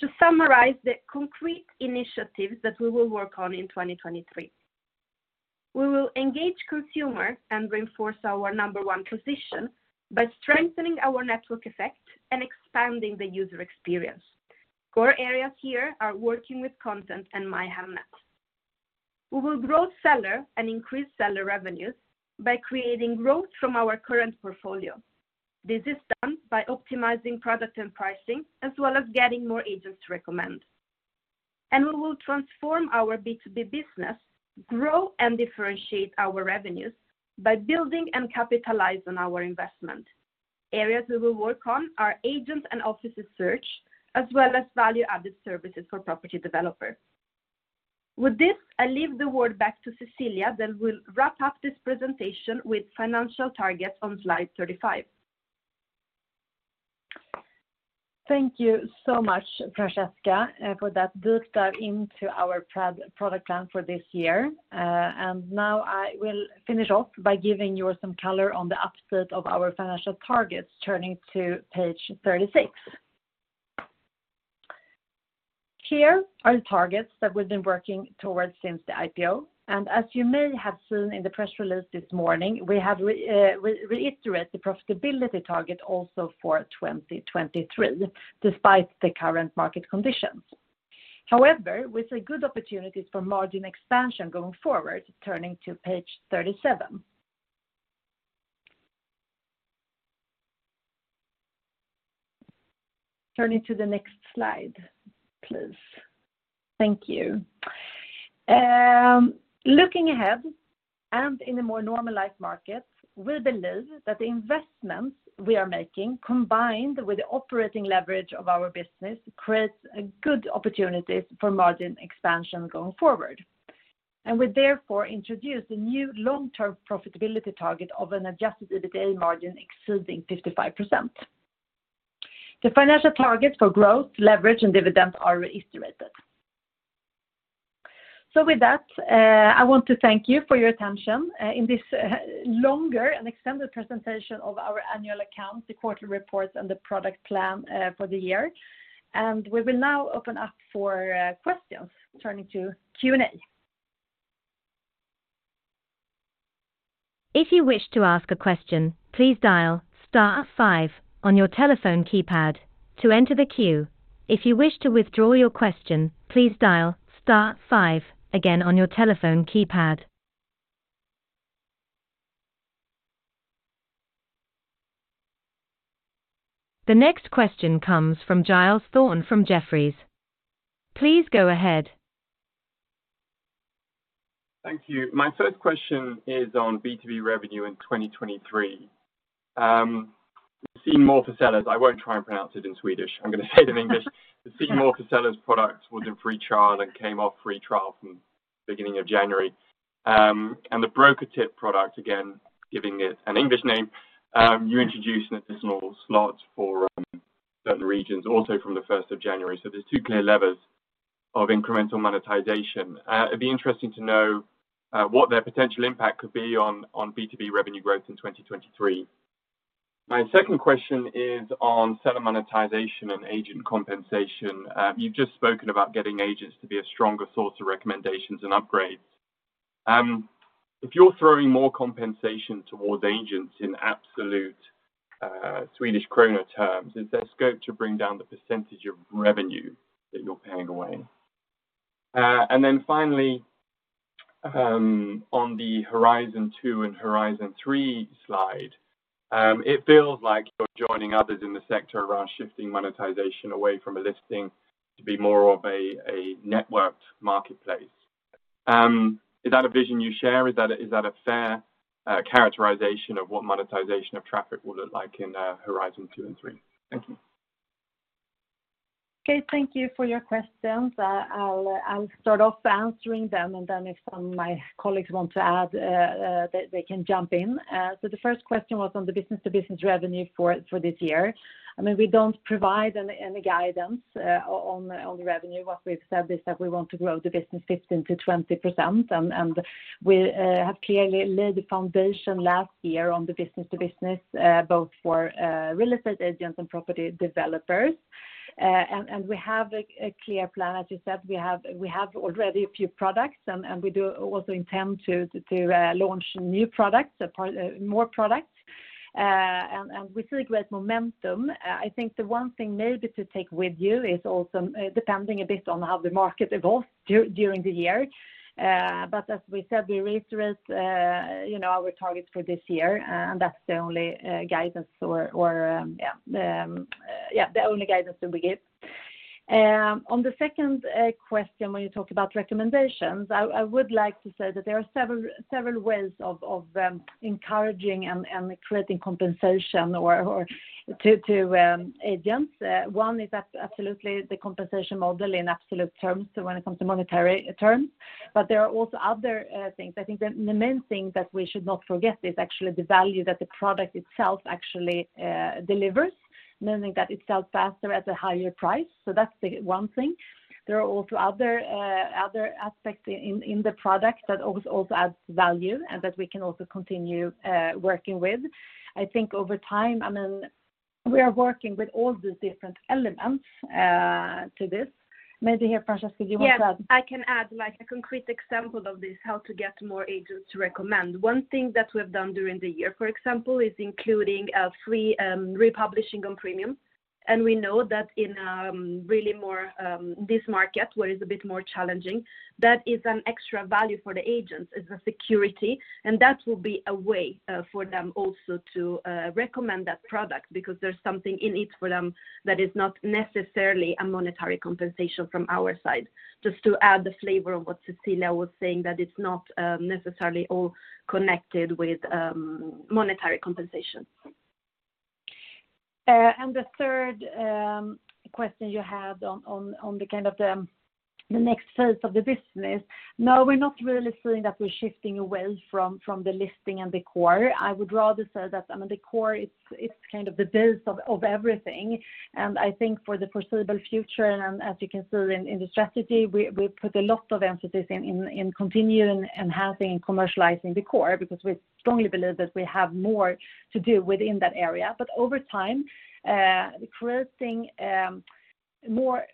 [SPEAKER 3] To summarize the concrete initiatives that we will work on in 2023, we will engage consumer and reinforce our number 1 position by strengthening our network effect and expanding the user experience. Core areas here are working with content and My Hemnet. We will grow seller and increase seller revenues by creating growth from our current portfolio. This is done by optimizing product and pricing as well as getting more agents to recommend. We will transform our B2B business, grow and differentiate our revenues by building and capitalize on our investment. Areas we will work on are agent and offices search, as well as value-added services for property developers. With this, I leave the word back to Cecilia that will wrap up this presentation with financial targets on slide 35.
[SPEAKER 2] Thank you so much, Francesca, for that deep dive into our product plan for this year. Now I will finish off by giving you some color on the update of our financial targets, turning to page 36. Here are the targets that we've been working towards since the IPO. As you may have seen in the press release this morning, we have reiterated the profitability target also for 2023, despite the current market conditions. However, with a good opportunity for margin expansion going forward, turning to page 37. Turning to the next slide, please. Thank you. Looking ahead, and in a more normalized market, we believe that the investments we are making, combined with the operating leverage of our business, creates a good opportunity for margin expansion going forward. We therefore introduce a new long-term profitability target of an adjusted EBITA margin exceeding 55%. The financial targets for growth, leverage, and dividends are reiterated. With that, I want to thank you for your attention, in this longer and extended presentation of our annual accounts, the quarterly reports, and the product plan for the year. We will now open up for questions, turning to Q&A.
[SPEAKER 1] If you wish to ask a question, please dial star five on your telephone keypad to enter the queue. If you wish to withdraw your question, please dial star five again on your telephone keypad. The next question comes from Giles Thorne from Jefferies. Please go ahead.
[SPEAKER 4] Thank you. My first question is on B2B revenue in 2023. We've seen See More for Sellers. I won't try and pronounce it in Swedish. I'm going to say it in English. The See More for Sellers product was in free trial and came off free trial from beginning of January. The broker tip product, again, giving it an English name, you introduced an additional slot for certain regions also from the 1st of January. There's two clear levers of incremental monetization. It'd be interesting to know what their potential impact could be on B2B revenue growth in 2023. My second question is on seller monetization and agent compensation. You've just spoken about getting agents to be a stronger source of recommendations and upgrades. If you're throwing more compensation towards agents in absolute Swedish krona terms, is there scope to bring down the % of revenue that you're paying away? Then finally, on the Horizon two and Horizon three slide, it feels like you're joining others in the sector around shifting monetization away from a listing to be more of a networked marketplace. Is that a vision you share? Is that a fair characterization of what monetization of traffic would look like in Horizon two and three? Thank you.
[SPEAKER 2] Okay. Thank you for your questions. I'll start off answering them, and then if some of my colleagues want to add, they can jump in. The first question was on the business-to-business revenue for this year. I mean, we don't provide any guidance on the revenue. What we've said is that we want to grow the business 15% to 20%, and we have clearly laid the foundation last year on the business-to-business, both for real estate agents and property developers. We have a clear plan. As you said, we have already a few products, and we do also intend to launch new products, more products. We see a great momentum. I think the one thing maybe to take with you is also, depending a bit on how the market evolves during the year. As we said, we reiterate, you know, our targets for this year, and that's the only guidance or the only guidance that we give. On the second question, when you talk about recommendations, I would like to say that there are several ways of encouraging and creating compensation or to agents. One is absolutely the compensation model in absolute terms when it comes to monetary terms. There are also other things. I think the main thing that we should not forget is actually the value that the product itself actually delivers, knowing that it sells faster at a higher price. That's the one thing. There are also other aspects in the product that also adds value and that we can also continue working with. I think over time, I mean, we are working with all the different elements to this. Maybe here, Francesca, you want to add.
[SPEAKER 3] Yes, I can add like a concrete example of this, how to get more agents to recommend. One thing that we've done during the year, for example, is including a free republishing on Premium. We know that in really more this market where it's a bit more challenging, that is an extra value for the agents, is a security, and that will be a way for them also to recommend that product because there's something in it for them that is not necessarily a monetary compensation from our side. Just to add the flavor of what Cecilia was saying, that it's not necessarily all connected with monetary compensation.
[SPEAKER 2] The third question you had on the kind of the next phase of the business. No, we're not really feeling that we're shifting away from the listing and the core. I would rather say that, I mean, the core, it's kind of the base of everything. I think for the foreseeable future, and as you can see in the strategy, we put a lot of emphasis in continuing enhancing and commercializing the core because we strongly believe that we have more to do within that area. Over time, creating more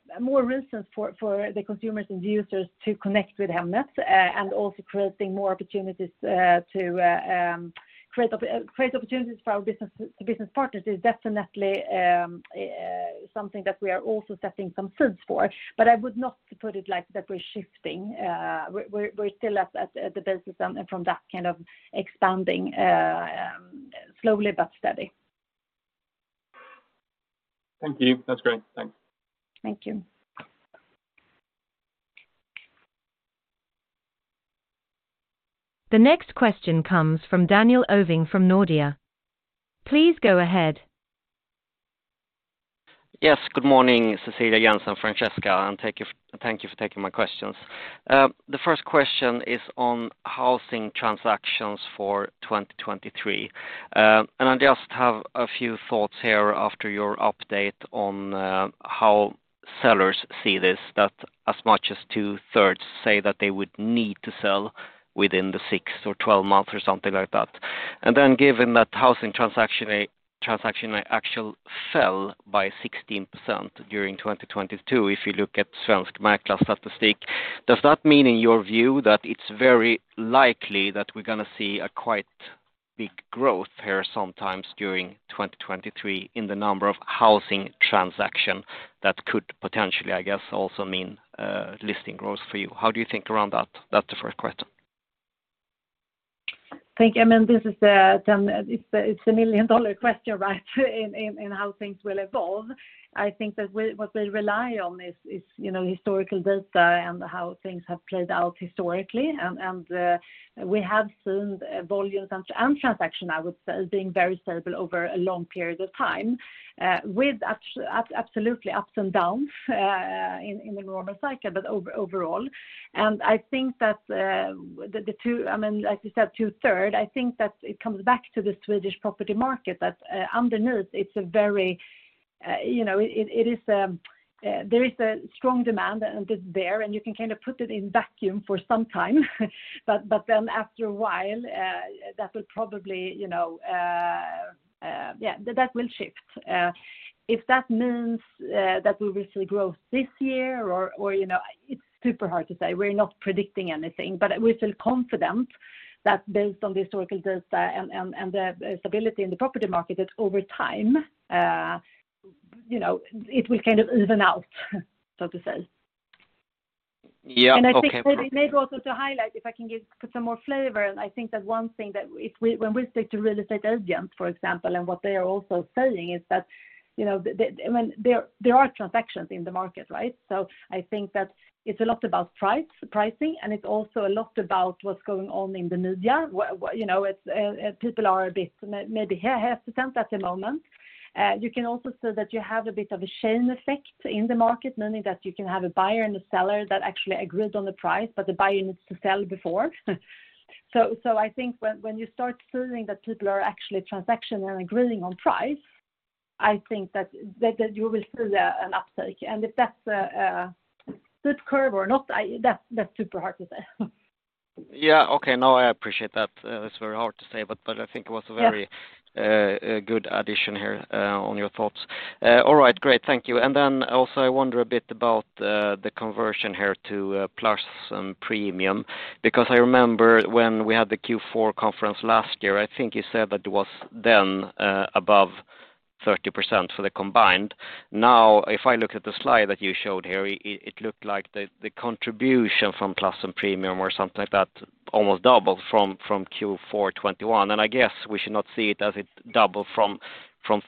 [SPEAKER 2] reasons for the consumers and users to connect with Hemnet, and also creating more opportunities to create opportunities for our business partners is definitely something that we are also setting some seeds for. I would not put it like that we're shifting. We're still at the basis and from that kind of expanding, slowly but steady.
[SPEAKER 4] Thank you. That's great. Thanks.
[SPEAKER 2] Thank you.
[SPEAKER 1] The next question comes from Daniel Ovin from Nordea. Please go ahead.
[SPEAKER 5] Good morning, Cecilia Beck-Friis, Jens Melin, and Francesca Cortesi, thank you for taking my questions. The first question is on housing transactions for 2023. I just have a few thoughts here after your update on how sellers see this, that as much as two-thirds say that they would need to sell within the 6 or 12 months or something like that. Given that housing transaction actually fell by 16% during 2022, if you look at Svensk Mäklarstatistik, does that mean in your view that it's very likely that we're gonna see a quite big growth here sometimes during 2023 in the number of housing transaction that could potentially, I guess, also mean listing growth for you? How do you think around that? That's the first question.
[SPEAKER 2] Thank you. I mean, this is the million-dollar question, right? In how things will evolve. I think that we, what we rely on is, you know, historical data and how things have played out historically. We have seen volumes and transaction, I would say, being very stable over a long period of time, with absolutely ups and downs in the normal cycle, but overall. I think that the two. I mean, as you said, two-thirds, I think that it comes back to the Swedish property market that underneath, it's a very, you know, it is, there is a strong demand and it's there, and you can kind of put it in vacuum for some time. After a while, that will probably, you know. Yeah, that will shift. If that means that we will see growth this year or, you know, it's super hard to say. We're not predicting anything. We feel confident that based on the historical data and the stability in the property market, that over time, you know, it will kind of even out, so to say.
[SPEAKER 5] Yeah. Okay.
[SPEAKER 2] I think maybe also to highlight, if I can give some more flavor. I think that one thing that when we speak to real estate agents, for example, what they are also saying is that, you know, the... I mean, there are transactions in the market, right? I think that it's a lot about price, pricing, and it's also a lot about what's going on in the media. What, you know, it's, people are a bit maybe hesitant at the moment. You can also say that you have a bit of a chain effect in the market, meaning that you can have a buyer and a seller that actually agreed on the price, but the buyer needs to sell before. I think when you start feeling that people are actually transaction and agreeing on price, I think that you will see an uptake. If that's a good curve or not, That's super hard to say.
[SPEAKER 5] Yeah. Okay. I appreciate that. It's very hard to say, but I think it was a good addition here on your thoughts. All right. Great. Thank you. Then also I wonder a bit about the conversion here to Plus and Premium, because I remember when we had the Q4 conference last year, I think you said that it was then above 30% for the combined. Now, if I look at the slide that you showed here, it looked like the contribution from Plus and Premium or something like that almost doubled from Q4 '21. I guess we should not see it as it double from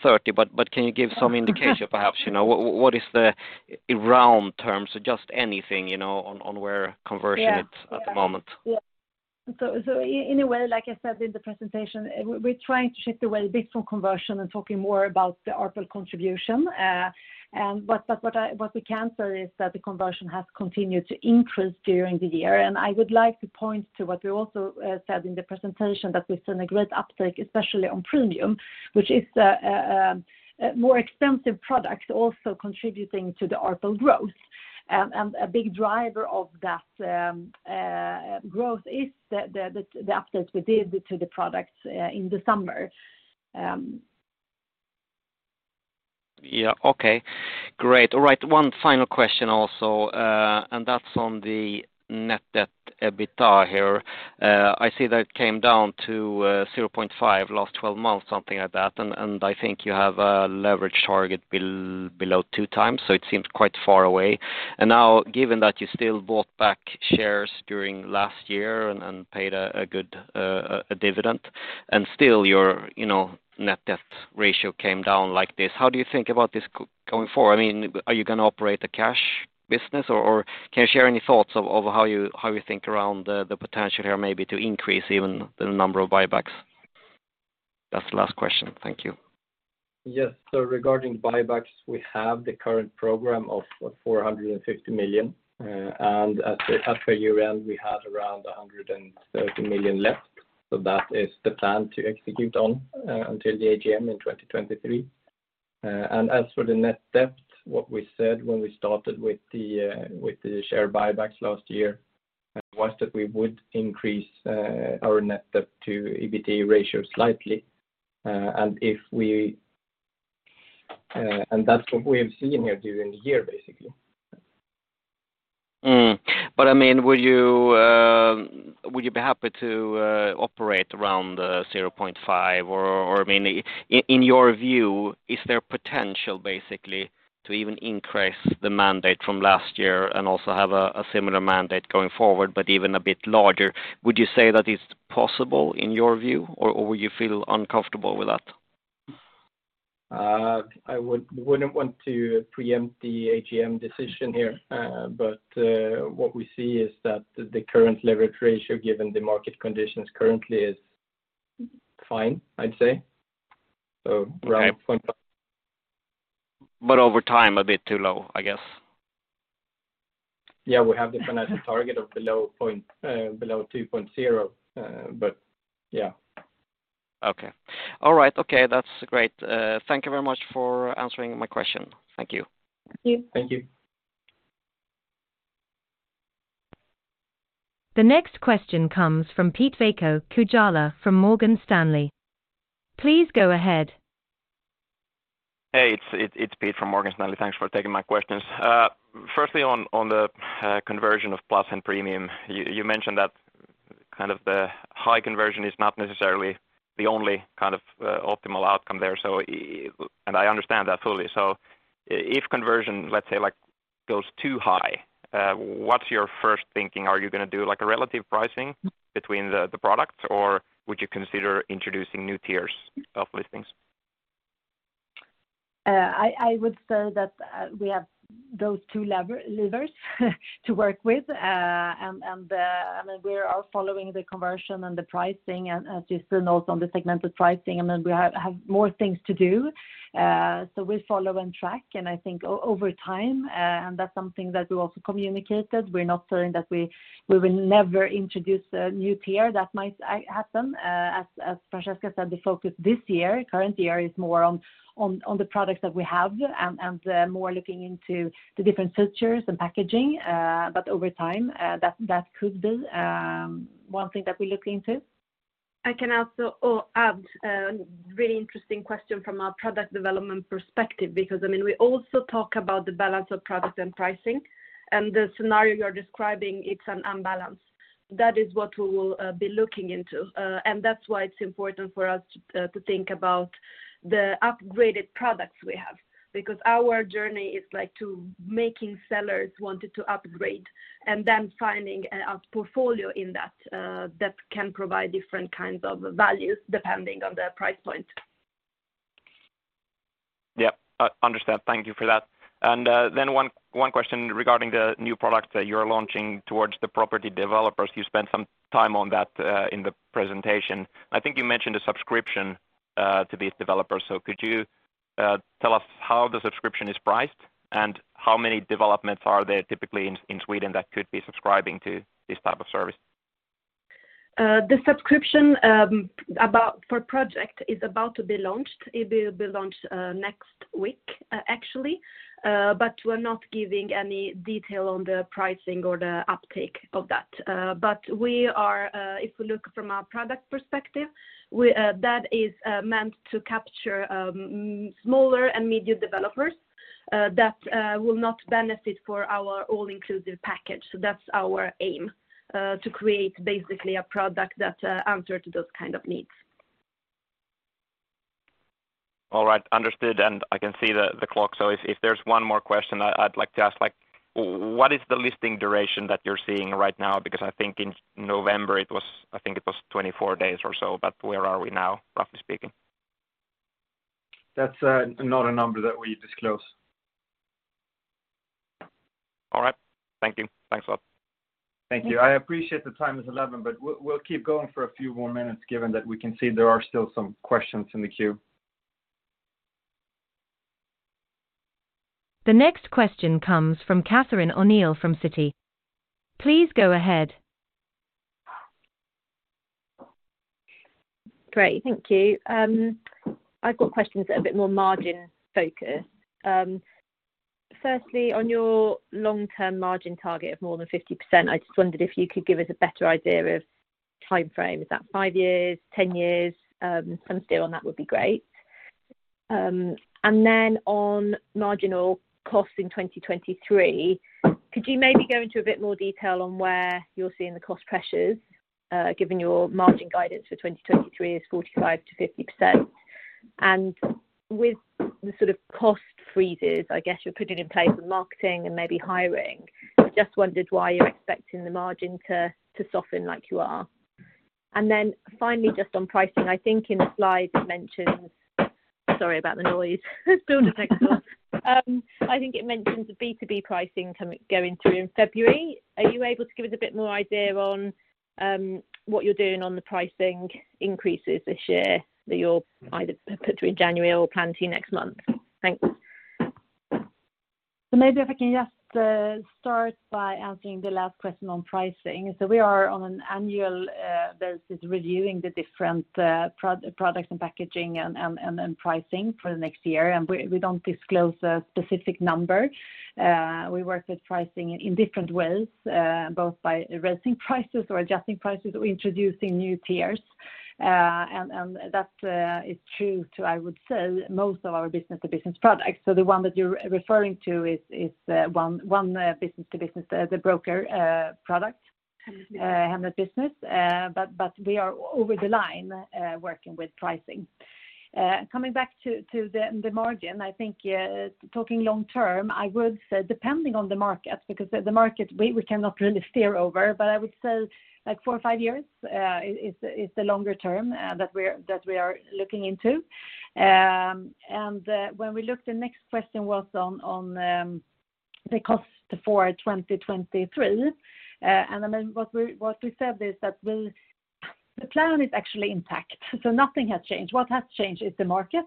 [SPEAKER 5] 30, but can you give some indication perhaps, you know, what is the, in round terms, so just anything, you know, on where conversion is at the moment?
[SPEAKER 2] Yeah. Okay. Yeah. In a way, like I said in the presentation, we're trying to shift away a bit from conversion and talking more about the ARPD contribution. What we can say is that the conversion has continued to increase during the year. I would like to point to what we also said in the presentation, that we've seen a great uptake, especially on Premium, which is a more expensive product also contributing to the ARPD growth. A big driver of that growth is the updates we did to the products in the summer.
[SPEAKER 5] Okay. Great. All right, one final question also, and that's on the net debt EBITDA here. I see that it came down to 0.5 last 12 months, something like that. I think you have a leverage target below 2x, so it seems quite far away. Now, given that you still bought back shares during last year and paid a good dividend, and still your, you know, net debt ratio came down like this, how do you think about this going forward? I mean, are you gonna operate a cash business, or can you share any thoughts of how you, how you think around the potential here maybe to increase even the number of buybacks? That's the last question. Thank you.
[SPEAKER 6] Yes. Regarding buybacks, we have the current program of 450 million. At the halfway year-end, we had around 130 million left. That is the plan to execute on until the AGM in 2023. As for the net debt, what we said when we started with the share buybacks last year was that we would increase our net debt to EBITDA ratio slightly. That's what we have seen here during the year, basically.
[SPEAKER 5] I mean, would you be happy to operate around 0.5? Or I mean, in your view, is there potential basically to even increase the mandate from last year and also have a similar mandate going forward but even a bit larger? Would you say that it's possible in your view, or would you feel uncomfortable with that?
[SPEAKER 6] I wouldn't want to preempt the AGM decision here. What we see is that the current leverage ratio, given the market conditions currently, is fine, I'd say. Around 0.5.
[SPEAKER 5] Over time, a bit too low, I guess.
[SPEAKER 6] Yeah. We have the financial target of below 2.0. Yeah.
[SPEAKER 5] Okay. All right. Okay. That's great. Thank you very much for answering my question. Thank you.
[SPEAKER 2] Thank you.
[SPEAKER 6] Thank you.
[SPEAKER 1] The next question comes from Pete Kujala from Morgan Stanley. Please go ahead.
[SPEAKER 7] Hey, it's Pete from Morgan Stanley. Thanks for taking my questions. Firstly on the conversion of Plus and Premium, you mentioned that kind of the high conversion is not necessarily the only kind of optimal outcome there. And I understand that fully. If conversion, let's say, like goes too high, what's your first thinking? Are you gonna do like a relative pricing between the products, or would you consider introducing new tiers of listings?
[SPEAKER 2] I would say that we have those two levers to work with. I mean, we are following the conversion and the pricing, and as you still note on the segmented pricing. I mean, we have more things to do. We follow and track, and I think over time, and that's something that we also communicated, we're not saying that we will never introduce a new tier. That might happen. As Francesca said, the focus this year, current year, is more on the products that we have and more looking into the different features and packaging. Over time, that could be one thing that we look into.
[SPEAKER 3] I can also add a really interesting question from a product development perspective, because I mean, we also talk about the balance of product and pricing, and the scenario you're describing, it's an unbalance. That is what we will be looking into, and that's why it's important for us to think about the upgraded products we have. Our journey is like to making sellers wanted to upgrade and then finding a portfolio in that can provide different kinds of values depending on the price point.
[SPEAKER 7] Yeah. Understand. Thank you for that. One question regarding the new products that you're launching towards the property developers. You spent some time on that in the presentation. I think you mentioned a subscription to these developers. Could you tell us how the subscription is priced and how many developments are there typically in Sweden that could be subscribing to this type of service?
[SPEAKER 2] The subscription per project is about to be launched. It will be launched next week, actually. We're not giving any detail on the pricing or the uptake of that. We are, if you look from a product perspective, we that is meant to capture smaller and medium developers that will not benefit for our all-inclusive package. That's our aim to create basically a product that answer to those kind of needs.
[SPEAKER 7] All right. Understood. I can see the clock. If there's one more question I'd like to ask, like what is the listing duration that you're seeing right now? I think in November it was 24 days or so, but where are we now, roughly speaking?
[SPEAKER 6] That's not a number that we disclose.
[SPEAKER 7] All right. Thank you. Thanks a lot.
[SPEAKER 6] Thank you. I appreciate the time is 11, we'll keep going for a few more minutes, given that we can see there are still some questions in the queue.
[SPEAKER 1] The next question comes from Catherine O'Neill from Citi. Please go ahead.
[SPEAKER 8] Great. Thank you. I've got questions that are a bit more margin-focused. Firstly, on your long-term margin target of more than 50%, I just wondered if you could give us a better idea of timeframe. Is that 5 years, 10 years? Some steer on that would be great. Then on marginal costs in 2023, could you maybe go into a bit more detail on where you're seeing the cost pressures, given your margin guidance for 2023 is 45% to 50%? With the sort of cost freezes, I guess, you're putting in place with marketing and maybe hiring, I just wondered why you're expecting the margin to soften like you are. Then finally, just on pricing, I think in the slide it mentions... Sorry about the noise. Building next door. I think it mentions B2B pricing going through in February. Are you able to give us a bit more idea on what you're doing on the pricing increases this year that you're either put through in January or planning next month? Thanks.
[SPEAKER 2] Maybe if I can just start by answering the last question on pricing. We are on an annual, there's this reviewing the different products and packaging and pricing for the next year. We don't disclose a specific number. We work with pricing in different ways, both by raising prices or adjusting prices or introducing new tiers. And that is true to, I would say, most of our business-to-business products. The one that you're referring to is one business-to-business, the broker product, Hemnet Business. But we are over the line working with pricing. Coming back to the margin, I think, talking long term, I would say depending on the market, because the market we cannot really steer over, but I would say like 4 or 5 years is the longer term that we are looking into. The next question was on the cost for 2023. I mean, what we said is that the plan is actually intact, nothing has changed. What has changed is the market.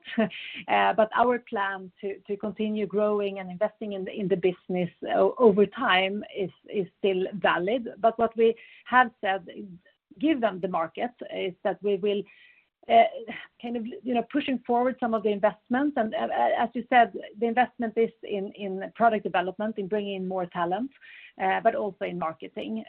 [SPEAKER 2] Our plan to continue growing and investing in the business over time is still valid. What we have said, given the market, is that we will, kind of, you know, pushing forward some of the investments. As you said, the investment is in product development, in bringing more talent, but also in marketing.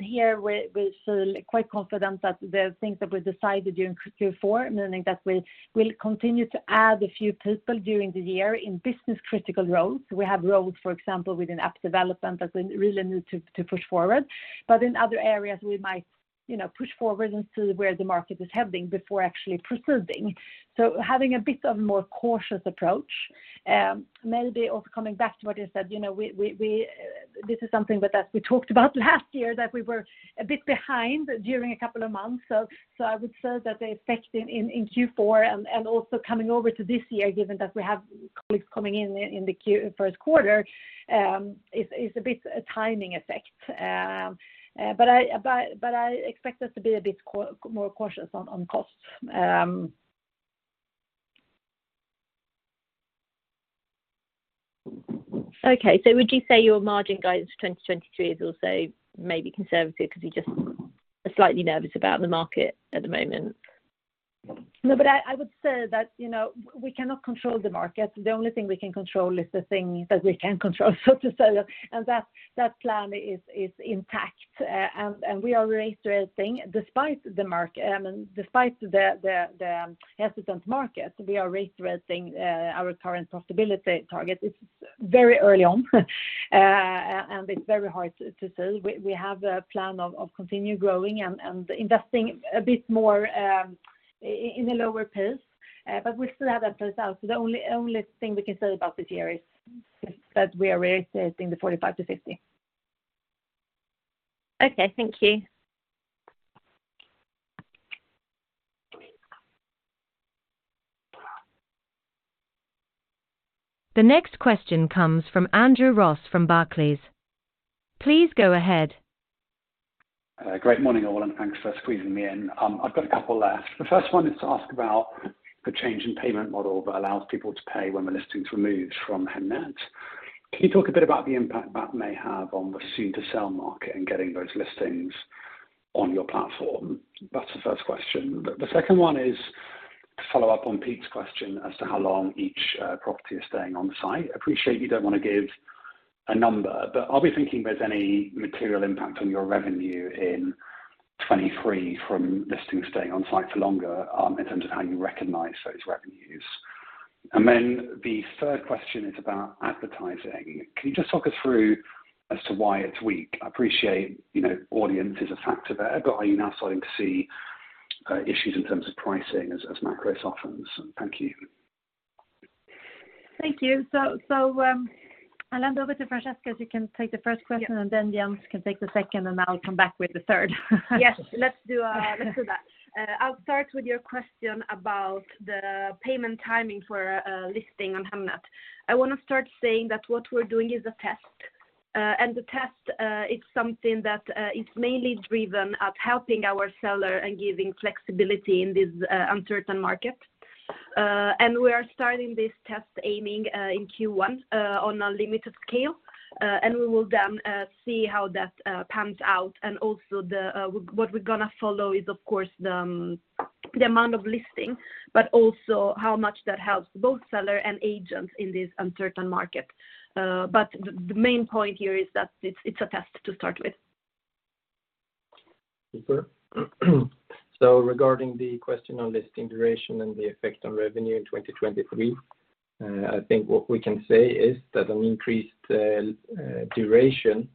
[SPEAKER 2] Here we feel quite confident that the things that we decided during Q4, meaning that we will continue to add a few people during the year in business critical roles. We have roles, for example, within app development that we really need to push forward. In other areas we might, you know, push forward and see where the market is heading before actually proceeding. Having a bit of a more cautious approach, maybe also coming back to what you said, you know. This is something that we talked about last year, that we were a bit behind during a couple of months. I would say that the effect in Q4 and also coming over to this year, given that we have colleagues coming in in the Q1, is a bit a timing effect. I expect us to be a bit more cautious on costs.
[SPEAKER 8] Okay. Would you say your margin guidance for 2023 is also maybe conservative because you just are slightly nervous about the market at the moment?
[SPEAKER 2] No, but I would say that, you know, we cannot control the market. The only thing we can control is the things that we can control, so to say. That plan is intact. We are reiterating despite the hesitant market, we are reiterating our current profitability target. It's very early on, and it's very hard to say. We have a plan of continue growing and investing a bit more in a lower pace. We still have that pace out. The only thing we can say about this year is that we are reiterating the 45% to 50%.
[SPEAKER 8] Okay. Thank you.
[SPEAKER 1] The next question comes from Andrew Ross from Barclays. Please go ahead.
[SPEAKER 9] Great morning, all, thanks for squeezing me in. I've got a couple left. The first one is to ask about the change in payment model that allows people to pay when the listing's removed from Hemnet. Can you talk a bit about the impact that may have on the soon-to-sell market and getting those listings on your platform? That's the first question. The second one is to follow up on Petri's question as to how long each property is staying on the site. I appreciate you don't wanna give a number, but are we thinking there's any material impact on your revenue in 23 from listings staying on site for longer, in terms of how you recognize those revenues? Then the third question is about advertising. Can you just talk us through as to why it's weak? I appreciate, you know, audience is a factor there, are you now starting to see issues in terms of pricing as macro softens? Thank you.
[SPEAKER 2] Thank you. I'll hand over to Francesca, so you can take the first question, and then Jens can take the second, and I'll come back with the third.
[SPEAKER 3] Yes. Let's do, let's do that. I'll start with your question about the payment timing for listing on Hemnet. I wanna start saying that what we're doing is a test. The test is something that is mainly driven at helping our seller and giving flexibility in this uncertain market. We are starting this test aiming in Q1 on a limited scale. We will then see how that pans out. Also what we're gonna follow is, of course, the amount of listing, but also how much that helps both seller and agent in this uncertain market. The main point here is that it's a test to start with.
[SPEAKER 6] Super. Regarding the question on listing duration and the effect on revenue in 2023, I think what we can say is that an increased duration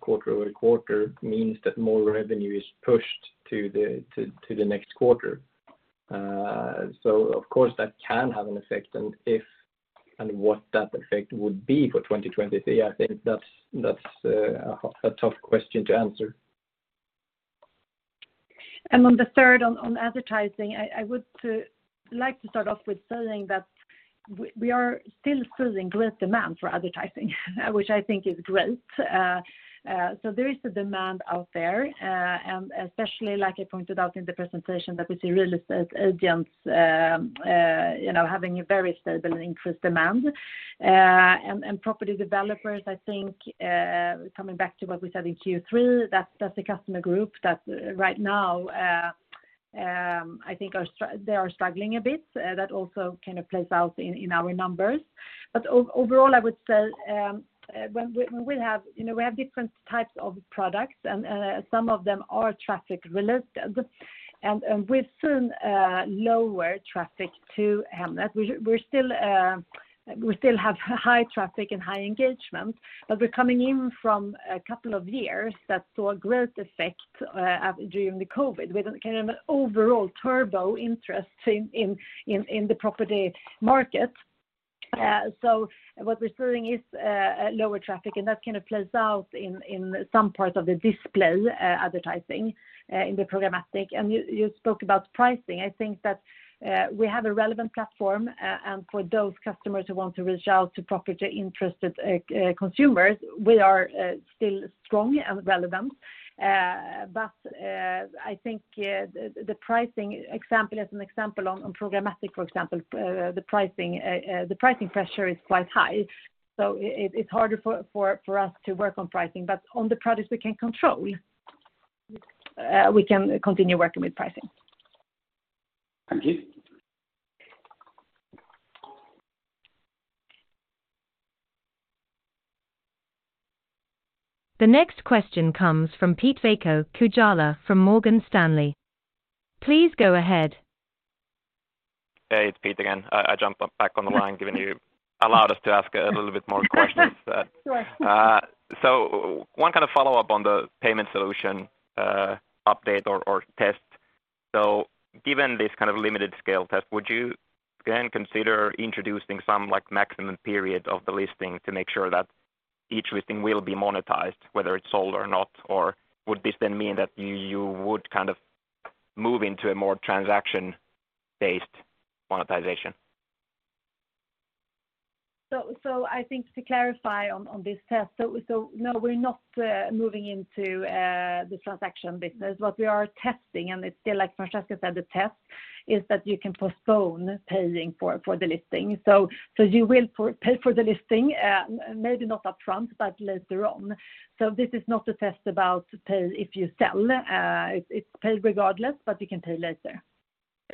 [SPEAKER 6] quarter-over-quarter means that more revenue is pushed to the next quarter. Of course, that can have an effect. And if and what that effect would be for 2023, I think that's a tough question to answer.
[SPEAKER 2] On the third on advertising, I would like to start off with saying that we are still seeing great demand for advertising, which I think is great. There is a demand out there, and especially like I pointed out in the presentation, that we see real estate agents, you know, having a very stable increased demand. Property developers, I think, coming back to what we said in Q3, that's the customer group that right now, I think they are struggling a bit. That also kind of plays out in our numbers. Overall, I would say, when we have... You know, we have different types of products and some of them are traffic related. With some lower traffic to Hemnet, we're still we still have high traffic and high engagement, but we're coming in from a couple of years that saw a great effect during the COVID with kind of an overall turbo interest in the property market. What we're seeing is a lower traffic, and that kind of plays out in some parts of the display advertising in the programmatic. You spoke about pricing. I think that we have a relevant platform, and for those customers who want to reach out to property interested consumers, we are still strong and relevant. Uh, but, uh, I think, uh, the, the pricing example as an example on, on programmatic, for example, uh, the pricing, uh, uh, the pricing pressure is quite high, so it, it's harder for, for, for us to work on pricing. But on the products we can control, uh, we can continue working with pricing.
[SPEAKER 6] Thank you.
[SPEAKER 1] The next question comes from Pete Kujala from Morgan Stanley. Please go ahead.
[SPEAKER 7] Hey, it's Pete again. I jumped back on the line given you allowed us to ask a little bit more questions.
[SPEAKER 2] Sure.
[SPEAKER 7] One kind of follow-up on the payment solution, update or test. Given this kind of limited scale test, would you again consider introducing some, like, maximum period of the listing to make sure that each listing will be monetized, whether it's sold or not? Would this then mean that you would kind of move into a more transaction-based monetization?
[SPEAKER 2] I think to clarify on this test. No, we're not moving into the transaction business. What we are testing, and it's still like Francesca said, the test, is that you can postpone paying for the listing. You will pay for the listing, maybe not upfront, but later on. This is not a test about pay if you sell. It's paid regardless, but you can pay later.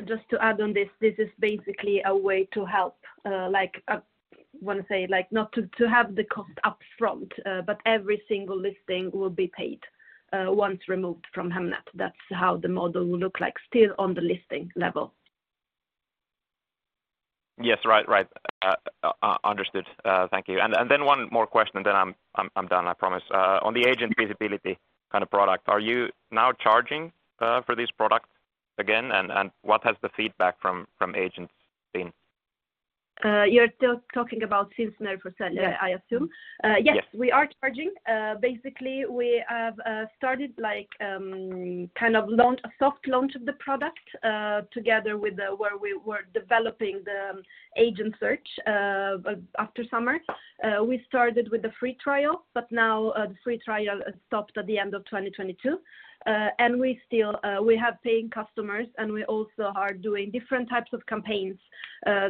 [SPEAKER 3] Just to add on this is basically a way to help, like, wanna say like not to have the cost up front, but every single listing will be paid once removed from Hemnet. That's how the model will look like still on the listing level.
[SPEAKER 7] Yes. Right. Right. Understood. Thank you. Then one more question then I'm done, I promise. On the agent visibility kind of product, are you now charging for this product again? What has the feedback from agents been?
[SPEAKER 3] You're still talking about since 90%
[SPEAKER 7] Yeah...
[SPEAKER 3] I assume?
[SPEAKER 7] Yeah.
[SPEAKER 3] Yes. We are charging. Basically we have started like a soft launch of the product together with where we were developing the agent search after summer. We started with the free trial, but now the free trial stopped at the end of 2022. We still have paying customers, and we also are doing different types of campaigns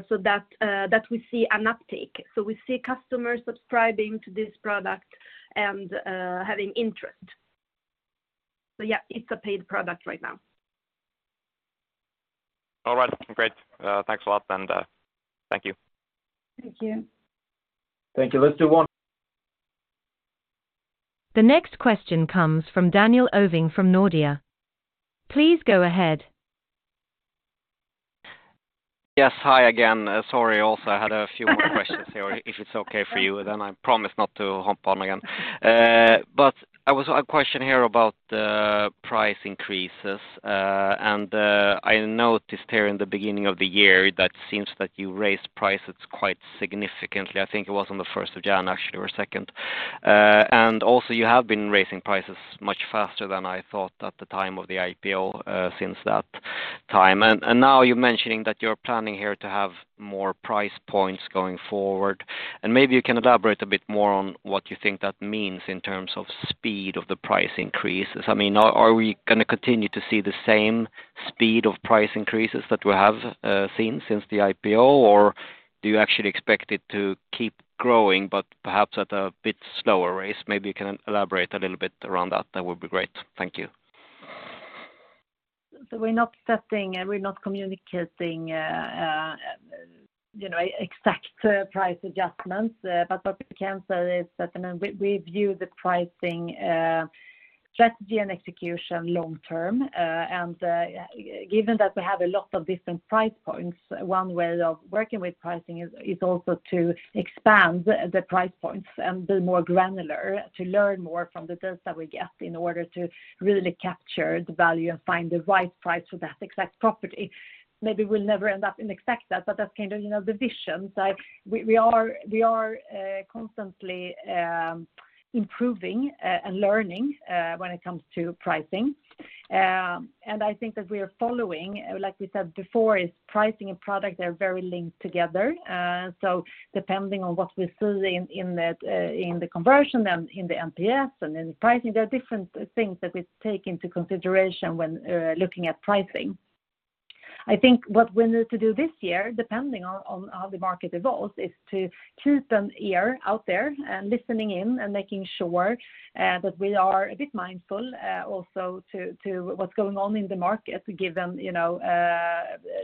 [SPEAKER 3] so that we see an uptake. We see customers subscribing to this product and having interest. Yeah, it's a paid product right now.
[SPEAKER 7] All right. Great. Thanks a lot, and, thank you.
[SPEAKER 3] Thank you.
[SPEAKER 6] Thank you. Let's do one-
[SPEAKER 1] The next question comes from Daniel Ovin from Nordea. Please go ahead.
[SPEAKER 5] Yes. Hi again. Sorry, also I had a few more questions here. If it's okay for you, then I promise not to hop on again. A question here about the price increases. I noticed here in the beginning of the year that seems that you raised prices quite significantly. I think it was on the 1st of Jan, actually, or 2nd. Also you have been raising prices much faster than I thought at the time of the IPO since that time. Now you're mentioning that you're planning here to have more price points going forward. Maybe you can elaborate a bit more on what you think that means in terms of speed of the price increases. I mean, are we gonna continue to see the same speed of price increases that we have seen since the IPO? Do you actually expect it to keep growing, but perhaps at a bit slower rate? Maybe you can elaborate a little bit around that. That would be great. Thank you.
[SPEAKER 2] We're not setting, we're not communicating, you know, exact price adjustments. What we can say is that, I mean, we view the pricing strategy and execution long-term. Given that we have a lot of different price points, one way of working with pricing is also to expand the price points and be more granular to learn more from the data we get in order to really capture the value and find the right price for that exact property. Maybe we'll never end up in exact that, but that's kind of, you know, the vision. We are constantly improving and learning when it comes to pricing. I think that we are following, like we said before, is pricing and product are very linked together. Depending on what we see in the conversion and in the NPS and in the pricing, there are different things that we take into consideration when looking at pricing. I think what we need to do this year, depending on how the market evolves, is to keep an ear out there and listening in and making sure that we are a bit mindful also to what's going on in the market, given, you know,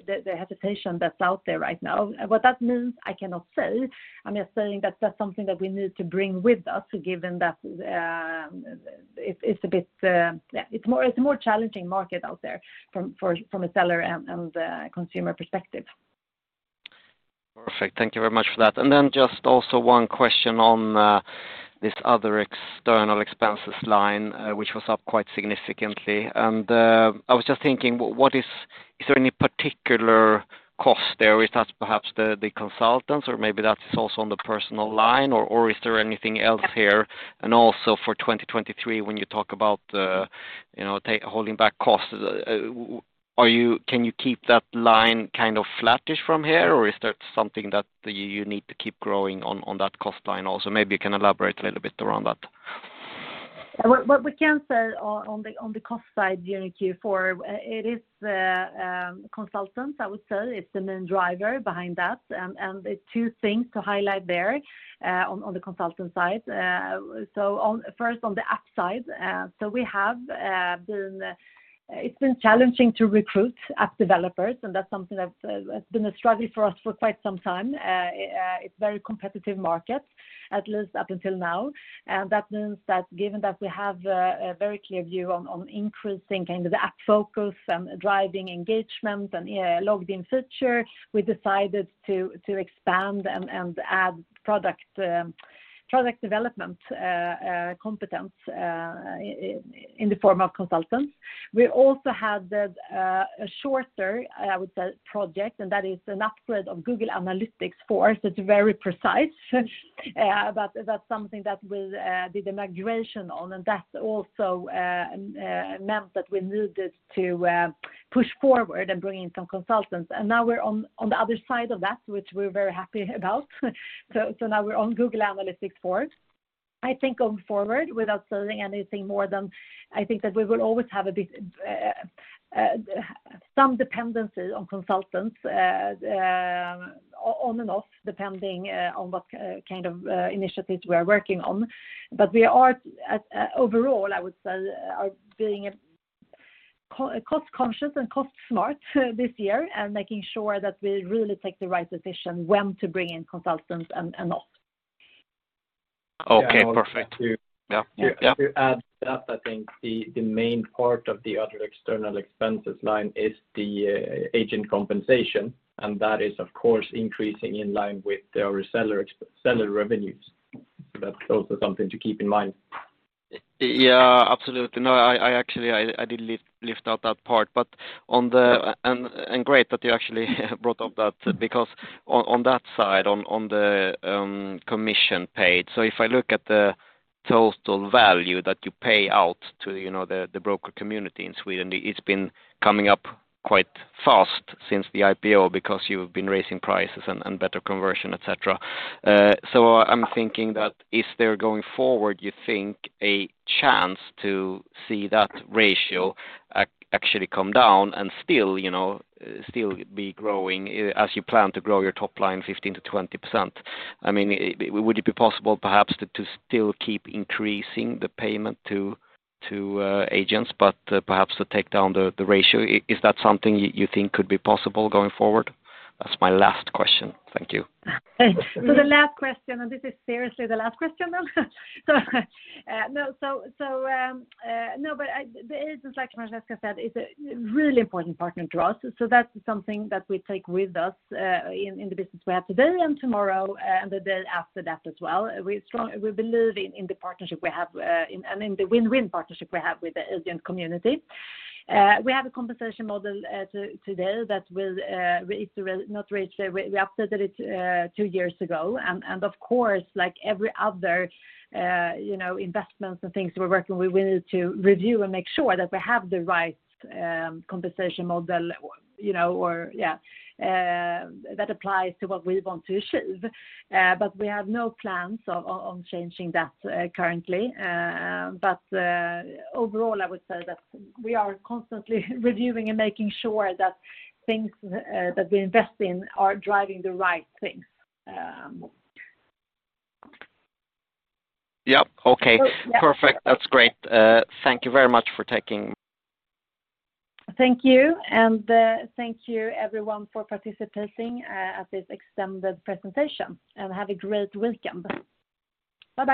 [SPEAKER 2] the hesitation that's out there right now. What that means, I cannot say. I'm just saying that that's something that we need to bring with us, given that it's a bit. It's a more challenging market out there from a seller and consumer perspective.
[SPEAKER 5] Perfect. Thank you very much for that. Just one question on this other external expenses line, which was up quite significantly. I was just thinking, what is? Is there any particular cost there? Is that perhaps the consultants, or maybe that is also on the personal line, or is there anything else here? For 2023, when you talk about, you know, holding back costs, can you keep that line kind of flattish from here, or is that something that you need to keep growing on that cost line also? Maybe you can elaborate a little bit around that.
[SPEAKER 2] What we can say on the cost side during Q4, it is consultants, I would say, is the main driver behind that. There are two things to highlight there on the consultant side. First on the app side, we have been, it's been challenging to recruit app developers, and that's something that's been a struggle for us for quite some time. It's very competitive market, at least up until now. That means that given that we have a very clear view on increasing kind of the app focus and driving engagement and yeah, logged in feature, we decided to expand and add product development competence in the form of consultants. We also had the, a shorter, I would say, project, and that is an upgrade of Google Analytics 4. It's very precise, but that's something that will be the migration on, and that also meant that we needed to push forward and bring in some consultants. Now we're on the other side of that, which we're very happy about. Now we're on Google Analytics 4. I think going forward, without saying anything more than I think that we will always have a bit, some dependencies on consultants, on and off, depending on what kind of initiatives we are working on. We are at, overall, I would say, are being, cost-conscious and cost-smart this year and making sure that we really take the right decision when to bring in consultants and not.
[SPEAKER 5] Okay. Perfect.
[SPEAKER 10] Yeah.
[SPEAKER 5] Yeah. Yeah.
[SPEAKER 10] To add that, I think the main part of the other external expenses line is the agent compensation. That is, of course, increasing in line with our seller revenues. That's also something to keep in mind.
[SPEAKER 5] Yeah, absolutely. No, I actually, I did lift out that part. Great that you actually brought up that because on that side, on the commission paid. If I look at the total value that you pay out to, you know, the broker community in Sweden, it's been coming up quite fast since the IPO because you've been raising prices and better conversion, et cetera. I'm thinking that is there going forward, you think a chance to see that ratio actually come down and still, you know, still be growing as you plan to grow your top 15% to 20%? I mean, would it be possible perhaps to still keep increasing the payment to agents, but perhaps to take down the ratio? Is that something you think could be possible going forward? That's my last question. Thank you.
[SPEAKER 2] The last question, and this is seriously the last question now. The agents, like Francesca said, is a really important partner to us. That's something that we take with us in the business we have today and tomorrow and the day after that as well. We believe in the partnership we have and in the win-win partnership we have with the agent community. We have a compensation model today that will it's re-not reached. We updated it two years ago. And of course, like every other, you know, investments and things we're working, we will need to review and make sure that we have the right compensation model, you know, or yeah, that applies to what we want to achieve. We have no plans on changing that currently. Overall, I would say that we are constantly reviewing and making sure that things that we invest in are driving the right things.
[SPEAKER 5] Yeah. Okay.
[SPEAKER 2] Yeah.
[SPEAKER 5] Perfect. That's great. Thank you very much for taking...
[SPEAKER 2] Thank you. Thank you everyone for participating, at this extended presentation. Have a great weekend. Bye-bye.